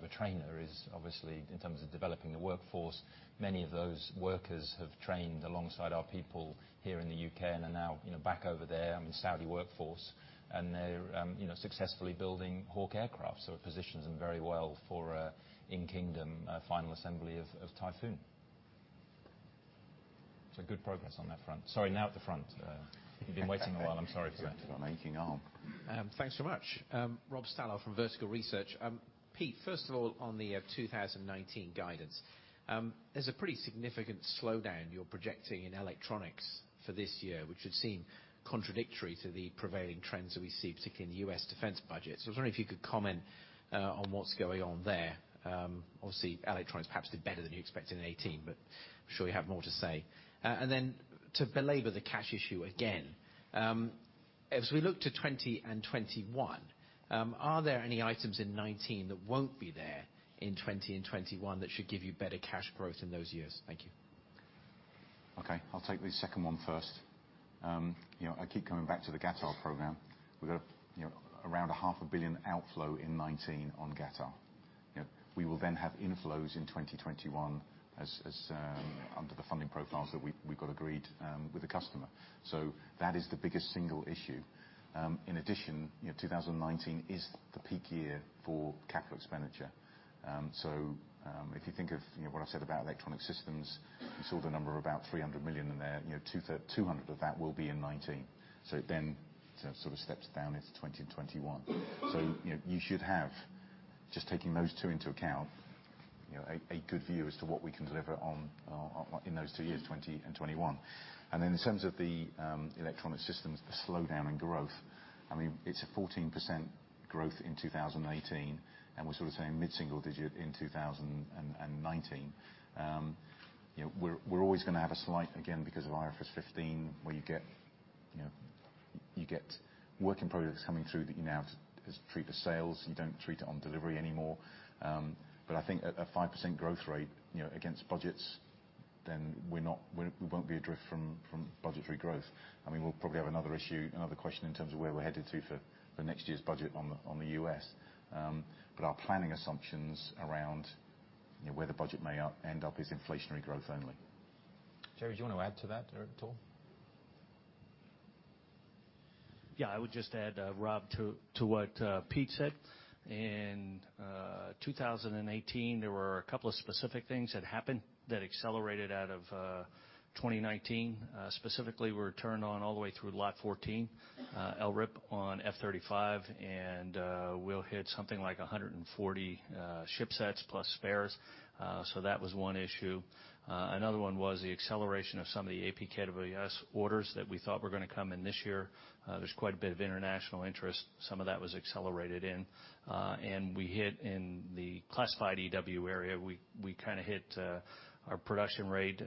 a trainer is obviously, in terms of developing the workforce, many of those workers have trained alongside our people here in the U.K. and are now back over there, Saudi workforce, and they're successfully building Hawk aircraft. It positions them very well for in-Kingdom final assembly of Typhoon. Good progress on that front. Sorry, now at the front. You've been waiting a while, I'm sorry for that. Got an aching arm. Thanks so much. Rob Stallard from Vertical Research. Pete, first of all, on the 2019 guidance. There's a pretty significant slowdown you're projecting in electronics for this year, which would seem contradictory to the prevailing trends that we see, particularly in the U.S. defense budget. I was wondering if you could comment on what's going on there. Obviously, electronics perhaps did better than you expected in 2018, but I'm sure you have more to say. To belabor the cash issue again, as we look to 2020 and 2021, are there any items in 2019 that won't be there in 2020 and 2021 that should give you better cash growth in those years? Thank you. Okay. I'll take the second one first. I keep coming back to the Qatar program. We've got around a half a billion GBP outflow in 2019 on Qatar. We will then have inflows in 2021 under the funding profiles that we've got agreed with the customer. That is the biggest single issue. In addition, 2019 is the peak year for capital expenditure. If you think of what I said about Electronic Systems, you saw the number of about 300 million in there, 200 of that will be in 2019. It then sort of steps down into 2021. You should have, just taking those two into account, a good view as to what we can deliver on in those two years, 2020 and 2021. In terms of the Electronic Systems, the slowdown in growth, it's a 14% growth in 2018, and we're saying mid-single digit in 2019. We're always going to have a slight, again, because of IFRS 15, where you get working progress coming through that you now treat as sales. You don't treat it on delivery anymore. I think at a 5% growth rate against budgets, we won't be adrift from budgetary growth. We'll probably have another issue, another question in terms of where we're headed to for next year's budget on the U.S. Our planning assumptions around where the budget may end up is inflationary growth only. Jerry, do you want to add to that at all? I would just add, Rob, to what Pete said. In 2018, there were a couple of specific things that happened that accelerated out of 2019. Specifically, we were turned on all the way through Lot 14, LRIP on F-35, and we'll hit something like 140 ship sets plus spares. That was one issue. Another one was the acceleration of some of the APKWS orders that we thought were going to come in this year. There's quite a bit of international interest. Some of that was accelerated in. We hit in the classified EW area, we hit our production rate.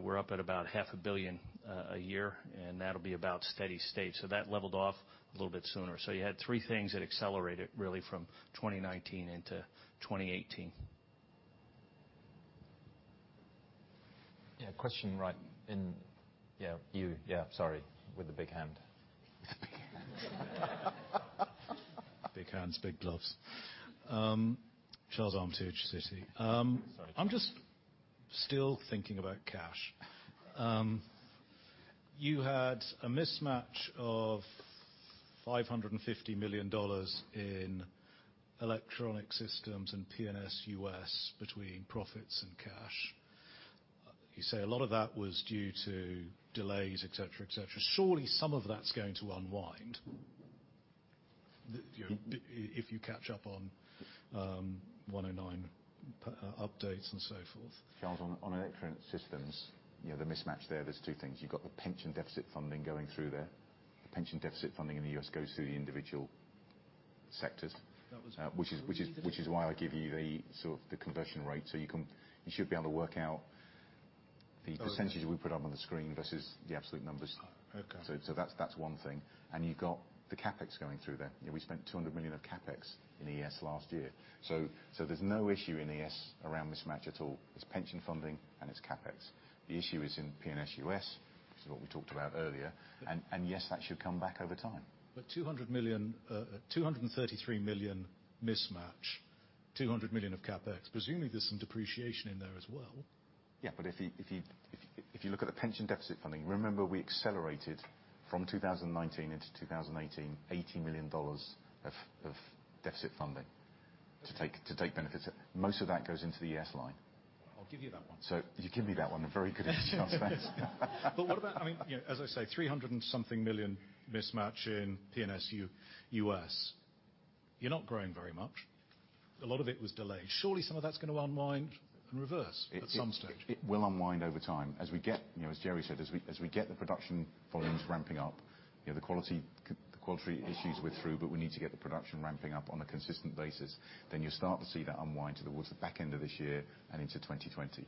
We're up at about half a billion GBP a year, and that'll be about steady state. That leveled off a little bit sooner. You had three things that accelerated from 2019 into 2018. Question right in. You. With the big hand. Big hands, big gloves. Charles Armitage, Citi. Sorry. I'm just still thinking about cash. You had a mismatch of $550 million in Electronic Systems and P&S US between profits and cash. You say a lot of that was due to delays, et cetera. Surely some of that's going to unwind, if you catch up on 109 updates and so forth. Charles, on Electronic Systems, the mismatch there's two things. You've got the pension deficit funding going through there. The pension deficit funding in the U.S. goes through the individual sectors. That was- Which is why I give you the conversion rate, so you should be able to work out the percentage- Oh, right that we put up on the screen versus the absolute numbers. Okay. That's one thing. You've got the CapEx going through there. We spent 200 million of CapEx in ES last year. There's no issue in ES around mismatch at all. It's pension funding and it's CapEx. The issue is in P&S US, which is what we talked about earlier. Yeah. yes, that should come back over time. 233 million mismatch, 200 million of CapEx, presumably there's some depreciation in there as well. If you look at the pension deficit funding, remember we accelerated from 2019 into 2018, GBP 80 million of deficit funding to take benefits out. Most of that goes into the ES line. I'll give you that one. You give me that one. A very good answer, Charles, thanks. What about, as I say, 300 and something million mismatch in P&S US. You are not growing very much. A lot of it was delays. Surely some of that is going to unwind and reverse at some stage. It will unwind over time. As Jerry said, as we get the production volumes ramping up, the quality issues we are through, but we need to get the production ramping up on a consistent basis. You will start to see that unwind towards the back end of this year and into 2020.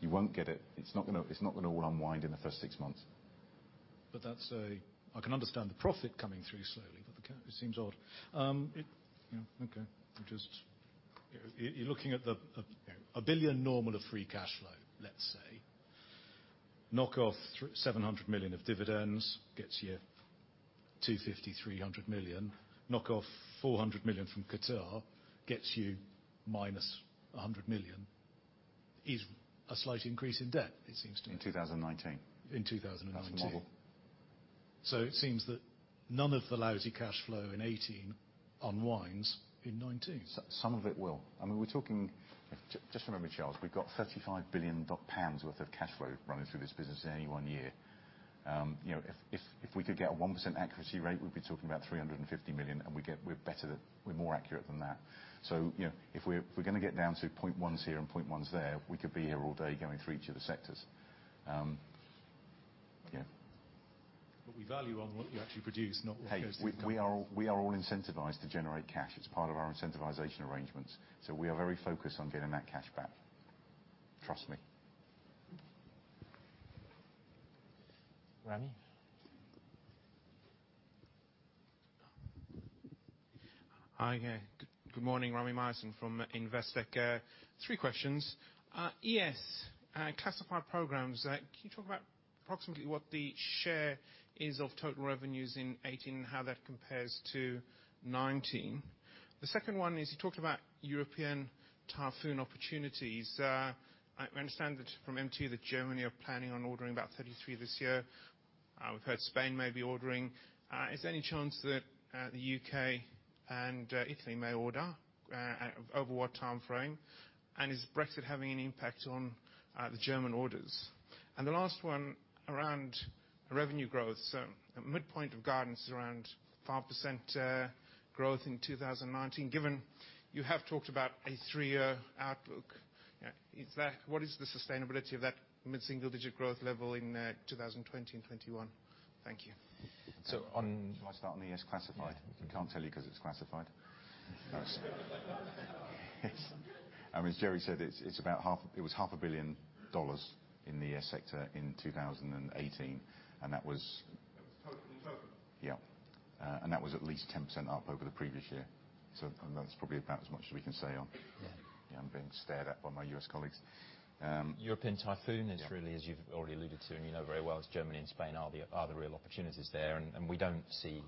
You will not get it is not going to all unwind in the first six months. I can understand the profit coming through slowly, but it seems odd. Okay. You are looking at 1 billion normal of free cash flow, let's say. Knock off 700 million of dividends, gets you 250 million-300 million. Knock off 400 million from Qatar, gets you minus 100 million, is a slight increase in debt, it seems to me. In 2019. In 2019. That's the model. It seems that none of the lousy cash flow in 2018 unwinds in 2019. Some of it will. Just remember, Charles, we've got 35 billion pounds worth of cash flow running through this business in any one year. If we could get a 1% accuracy rate, we'd be talking about 350 million, and we're more accurate than that. If we're going to get down to point ones here and point ones there, we could be here all day going through each of the sectors. Yeah. We value on what you actually produce, not what goes through. Hey, we are all incentivized to generate cash. It's part of our incentivization arrangements. We are very focused on getting that cash back. Trust me. Rami? Hi. Good morning. Rami Myerson from Investec. Three questions. ES classified programs, can you talk about approximately what the share is of total revenues in 2018 and how that compares to 2019? The second one is you talked about European Typhoon opportunities. I understand that from MT that Germany are planning on ordering about 33 this year. We've heard Spain may be ordering. Is there any chance that the U.K. and Italy may order? Over what time frame? Is Brexit having an impact on the German orders? The last one around revenue growth. At midpoint of guidance is around 5% growth in 2019. Given you have talked about a three-year outlook, what is the sustainability of that mid-single-digit growth level in 2020 and 2021? Thank you. Do I start on the ES classified? Yeah. We can't tell you because it's classified. As Jerry said, it was half a billion dollars in the sector in 2018. That was total. Yeah. That was at least 10% up over the previous year. That's probably about as much as we can say. Yeah I'm being stared at by my U.S. colleagues. European Typhoon is really, as you've already alluded to and you know very well, is Germany and Spain are the real opportunities there, and we don't see,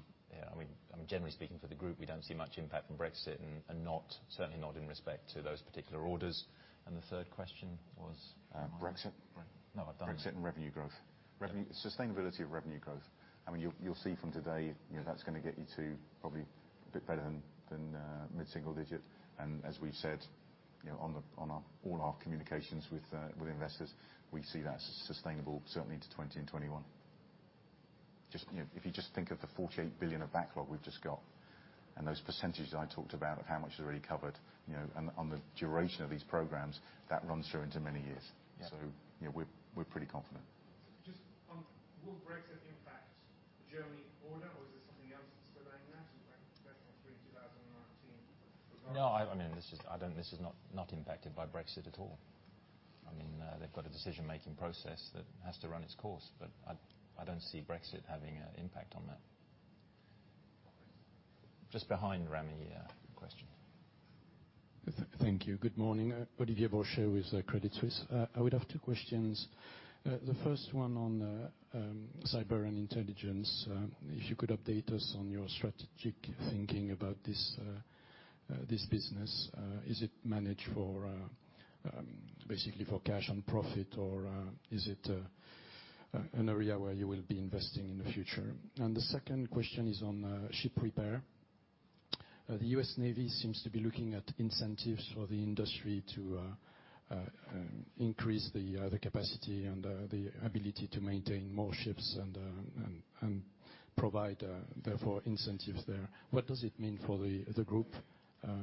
generally speaking for the group, we don't see much impact from Brexit and certainly not in respect to those particular orders. The third question was? Brexit. No, I've done it. Brexit and revenue growth. Sustainability of revenue growth. You'll see from today, that's going to get you to probably a bit better than mid-single digit. As we've said, on all our communications with investors, we see that sustainable certainly into 2020 and 2021. If you just think of the 48 billion of backlog we've just got, and those percentages I talked about of how much is already covered, and on the duration of these programs, that runs through into many years. Yeah. We're pretty confident. Just on will Brexit impact Germany order or is there something else that's delaying that, like through 2019? No, this is not impacted by Brexit at all. They've got a decision-making process that has to run its course, but I don't see Brexit having an impact on that. Just behind Rami, question. Thank you. Good morning. Olivier Brochet with Credit Suisse. I would have two questions. The first one on cyber and intelligence, if you could update us on your strategic thinking about this business. Is it managed basically for cash and profit, or is it an area where you will be investing in the future? The second question is on ship repair. The U.S. Navy seems to be looking at incentives for the industry to increase the capacity and the ability to maintain more ships and provide, therefore, incentives there. What does it mean for the group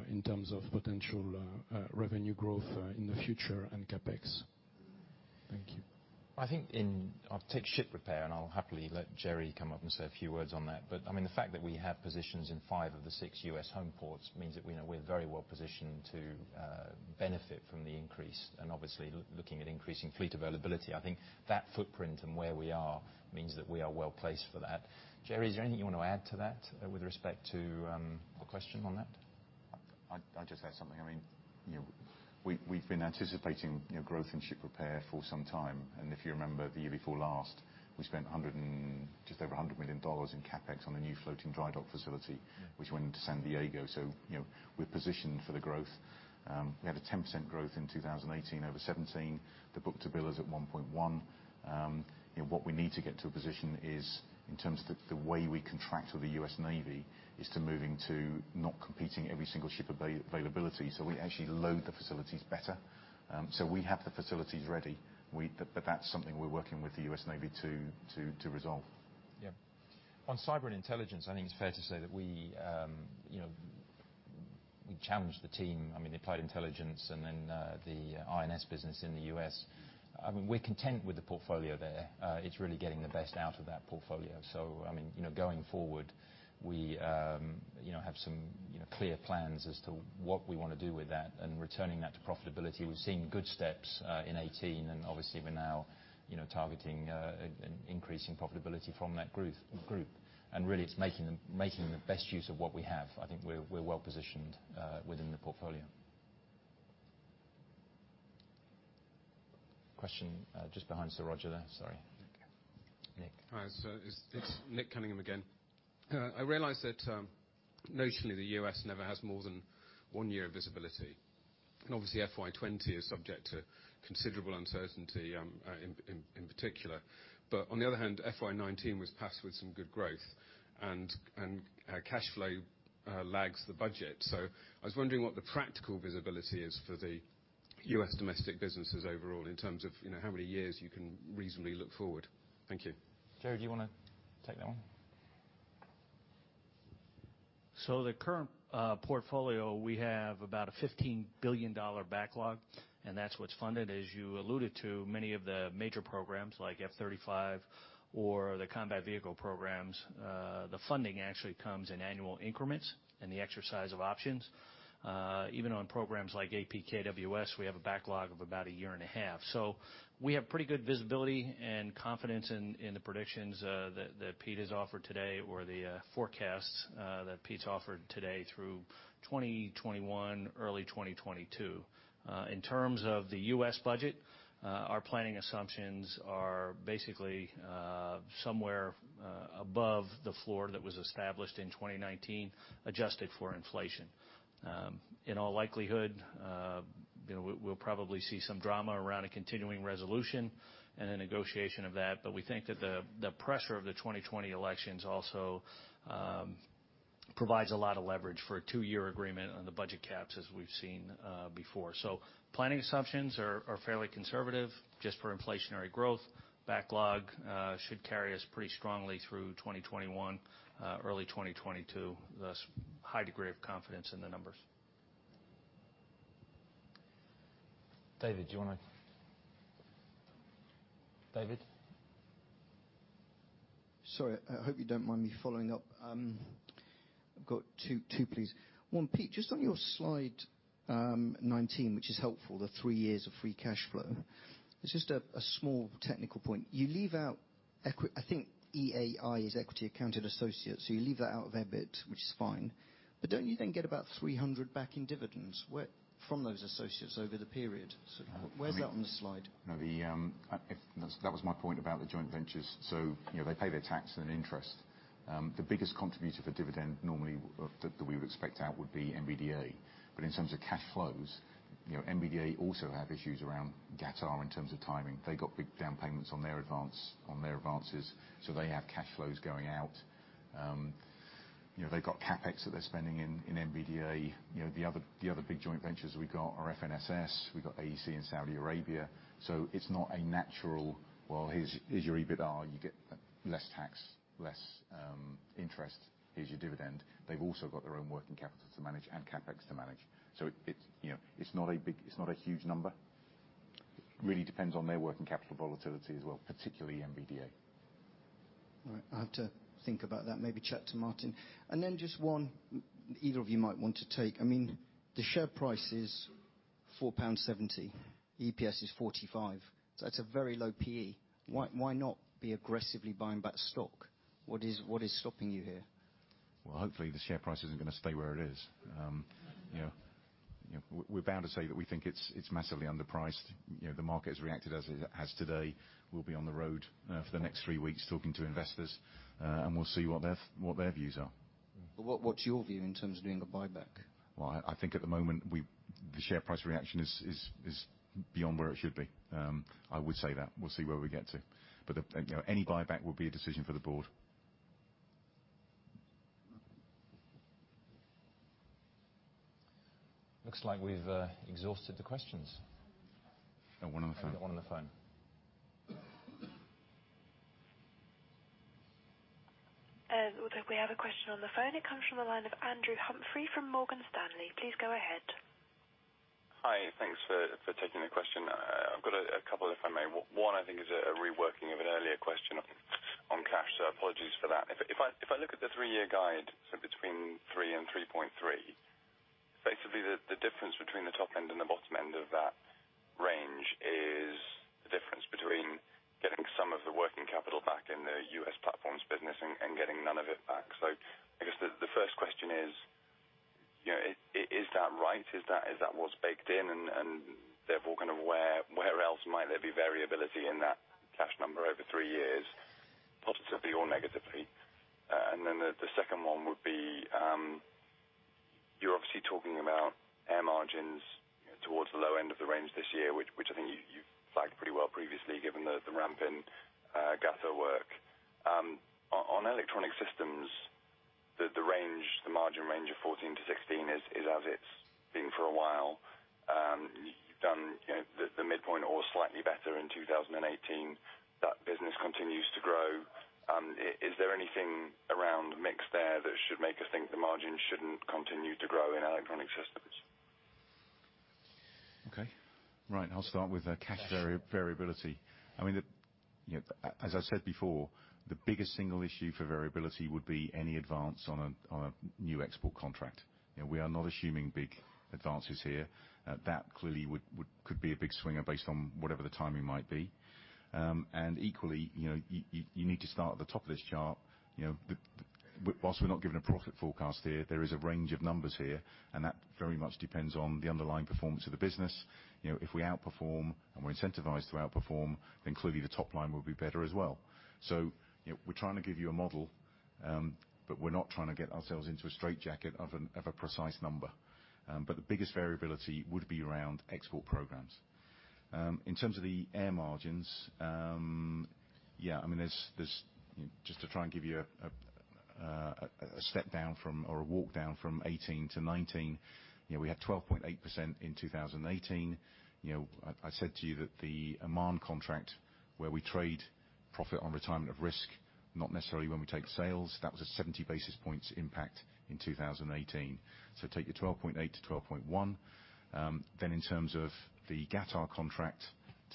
in terms of potential revenue growth in the future and CapEx? Thank you. I'll take ship repair. I'll happily let Jerry come up and say a few words on that. The fact that we have positions in five of the six U.S. home ports means that we're very well positioned to benefit from the increase. Obviously, looking at increasing fleet availability, I think that footprint and where we are means that we are well placed for that. Jerry, is there anything you want to add to that with respect to the question on that? I'll just say something. We've been anticipating growth in ship repair for some time. If you remember the year before last, we spent just over $100 million in CapEx on a new floating dry dock facility which went into San Diego. We're positioned for the growth. We had a 10% growth in 2018 over 2017. The book-to-bill is at 1.1. What we need to get to a position is, in terms of the way we contract with the U.S. Navy, is to moving to not competing every single ship availability. We actually load the facilities better. We have the facilities ready. That's something we're working with the U.S. Navy to resolve. On cyber and intelligence, I think it's fair to say that we challenged the team, Applied Intelligence and then the I&S business in the U.S. We're content with the portfolio there. It's really getting the best out of that portfolio. Going forward, we have some clear plans as to what we want to do with that and returning that to profitability. We're seeing good steps in 2018. Obviously, we're now targeting an increase in profitability from that group. Really, it's making the best use of what we have. I think we're well-positioned within the portfolio. Question just behind Sir Roger there. Sorry. Nick. Hi. It's Nick Cunningham again. I realize that notionally the U.S. never has more than one year of visibility Obviously, FY 2020 is subject to considerable uncertainty in particular. On the other hand, FY 2019 was passed with some good growth, and cash flow lags the budget. I was wondering what the practical visibility is for the U.S. domestic businesses overall in terms of how many years you can reasonably look forward. Thank you. Jerry, do you want to take that one? The current portfolio, we have about a GBP 15 billion backlog, and that's what's funded. As you alluded to, many of the major programs, like F-35 or the combat vehicle programs, the funding actually comes in annual increments in the exercise of options. Even on programs like APKWS, we have a backlog of about a year and a half. We have pretty good visibility and confidence in the predictions that Pete has offered today or the forecasts that Pete's offered today through 2021, early 2022. In terms of the U.S. budget, our planning assumptions are basically somewhere above the floor that was established in 2019, adjusted for inflation. In all likelihood, we'll probably see some drama around a continuing resolution and a negotiation of that. We think that the pressure of the 2020 elections also provides a lot of leverage for a two-year agreement on the budget caps, as we've seen before. Planning assumptions are fairly conservative, just for inflationary growth. Backlog should carry us pretty strongly through 2021, early 2022, thus high degree of confidence in the numbers. David, do you want to? Sorry. I hope you don't mind me following up. I've got two, please. One, Pete, just on your slide 19, which is helpful, the three years of free cash flow. It's just a small technical point. You leave out, I think, EAI is equity accounted associates, so you leave that out of EBIT, which is fine. Don't you then get about 300 back in dividends from those associates over the period? Where's that on the slide? That was my point about the joint ventures. They pay their tax and interest. The biggest contributor for dividend normally that we would expect out would be MBDA. In terms of cash flows, MBDA also have issues around Qatar in terms of timing. They got big down payments on their advances, so they have cash flows going out. They've got CapEx that they're spending in MBDA. The other big joint ventures we got are FNSS, we got AEC in Saudi Arabia. It's not a natural, well, here's your EBITA, you get less tax, less interest, here's your dividend. They've also got their own working capital to manage and CapEx to manage. It's not a huge number. Really depends on their working capital volatility as well, particularly MBDA. All right. I'll have to think about that, maybe chat to Martin. Then just one, either of you might want to take. I mean, the share price is 4.70 pound, EPS is 0.45. That's a very low PE. Why not be aggressively buying back stock? What is stopping you here? Well, hopefully, the share price isn't going to stay where it is. We're bound to say that we think it's massively underpriced. The market has reacted as it has today. We'll be on the road for the next three weeks talking to investors. We'll see what their views are. What's your view in terms of doing a buyback? Well, I think at the moment, the share price reaction is beyond where it should be. I would say that. We'll see where we get to. Any buyback will be a decision for the board. Looks like we've exhausted the questions. Got one on the phone. One on the phone. We have a question on the phone. It comes from the line of Andrew Humphrey from Morgan Stanley. Please go ahead. Hi. Thanks for taking the question. I've got a couple, if I may. One, I think is a reworking of an earlier question on cash. Apologies for that. If I look at the three-year guide, between 3 and 3.3, basically, the difference between the top end and the bottom end of that range is the difference between getting some of the working capital back in the U.S. Platforms business and getting none of it back. I guess the first question is that right? Is that what's baked in? Therefore, where else might there be variability in that cash number over three years, positively or negatively? Then the second one would be, you're obviously talking about Air margins towards the low end of the range this year, which I think you flagged pretty well previously given the ramp in Qatar work. On Electronic Systems, the margin range of 14%-16% is as it's been for a while. You've done the midpoint or slightly better in 2018. That business continues to grow. Is there anything around mix there that should make us think the margin shouldn't continue to grow in Electronic Systems? Okay. Right. I'll start with the cash variability. As I said before, the biggest single issue for variability would be any advance on a new export contract. We are not assuming big advances here. That clearly could be a big swinger based on whatever the timing might be. Equally, you need to start at the top of this chart. Whilst we're not giving a profit forecast here, there is a range of numbers here, that very much depends on the underlying performance of the business. If we outperform, and we're incentivized to outperform, then clearly the top line will be better as well. We're trying to give you a model. But we're not trying to get ourselves into a straitjacket of a precise number. The biggest variability would be around export programs. In terms of the Air margins, just to try and give you a step down from or a walk down from 2018 to 2019, we had 12.8% in 2018. I said to you that the Oman contract, where we trade profit on retirement of risk, not necessarily when we take sales, that was a 70 basis points impact in 2018. Take the 12.8 to 12.1. Then in terms of the Qatar contract,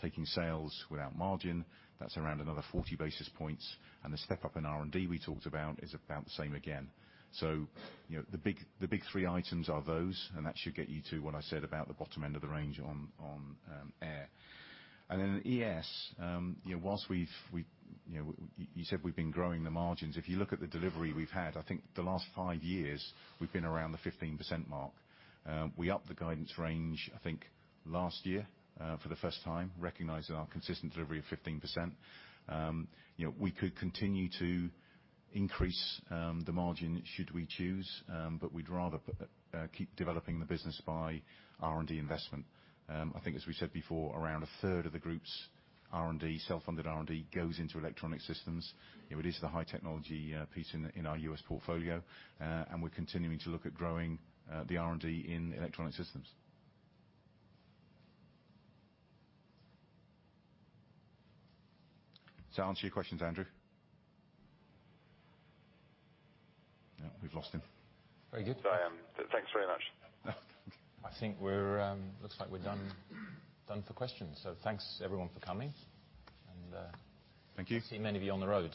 taking sales without margin, that's around another 40 basis points. The step up in R&D we talked about is about the same again. The big three items are those, that should get you to what I said about the bottom end of the range on Air. Then in ES, you said we've been growing the margins. If you look at the delivery we've had, I think the last five years we've been around the 15% mark. We upped the guidance range, I think, last year for the first time, recognizing our consistent delivery of 15%. We could continue to increase the margin should we choose. We'd rather keep developing the business by R&D investment. I think, as we said before, around a third of the group's R&D, self-funded R&D, goes into Electronic Systems. It is the high technology piece in our U.S. portfolio. We're continuing to look at growing the R&D in Electronic Systems. Does that answer your questions, Andrew? No, we've lost him. Very good. I am. Thanks very much. I think looks like we're done for questions. Thanks, everyone, for coming. Thank you I'll see many of you on the road.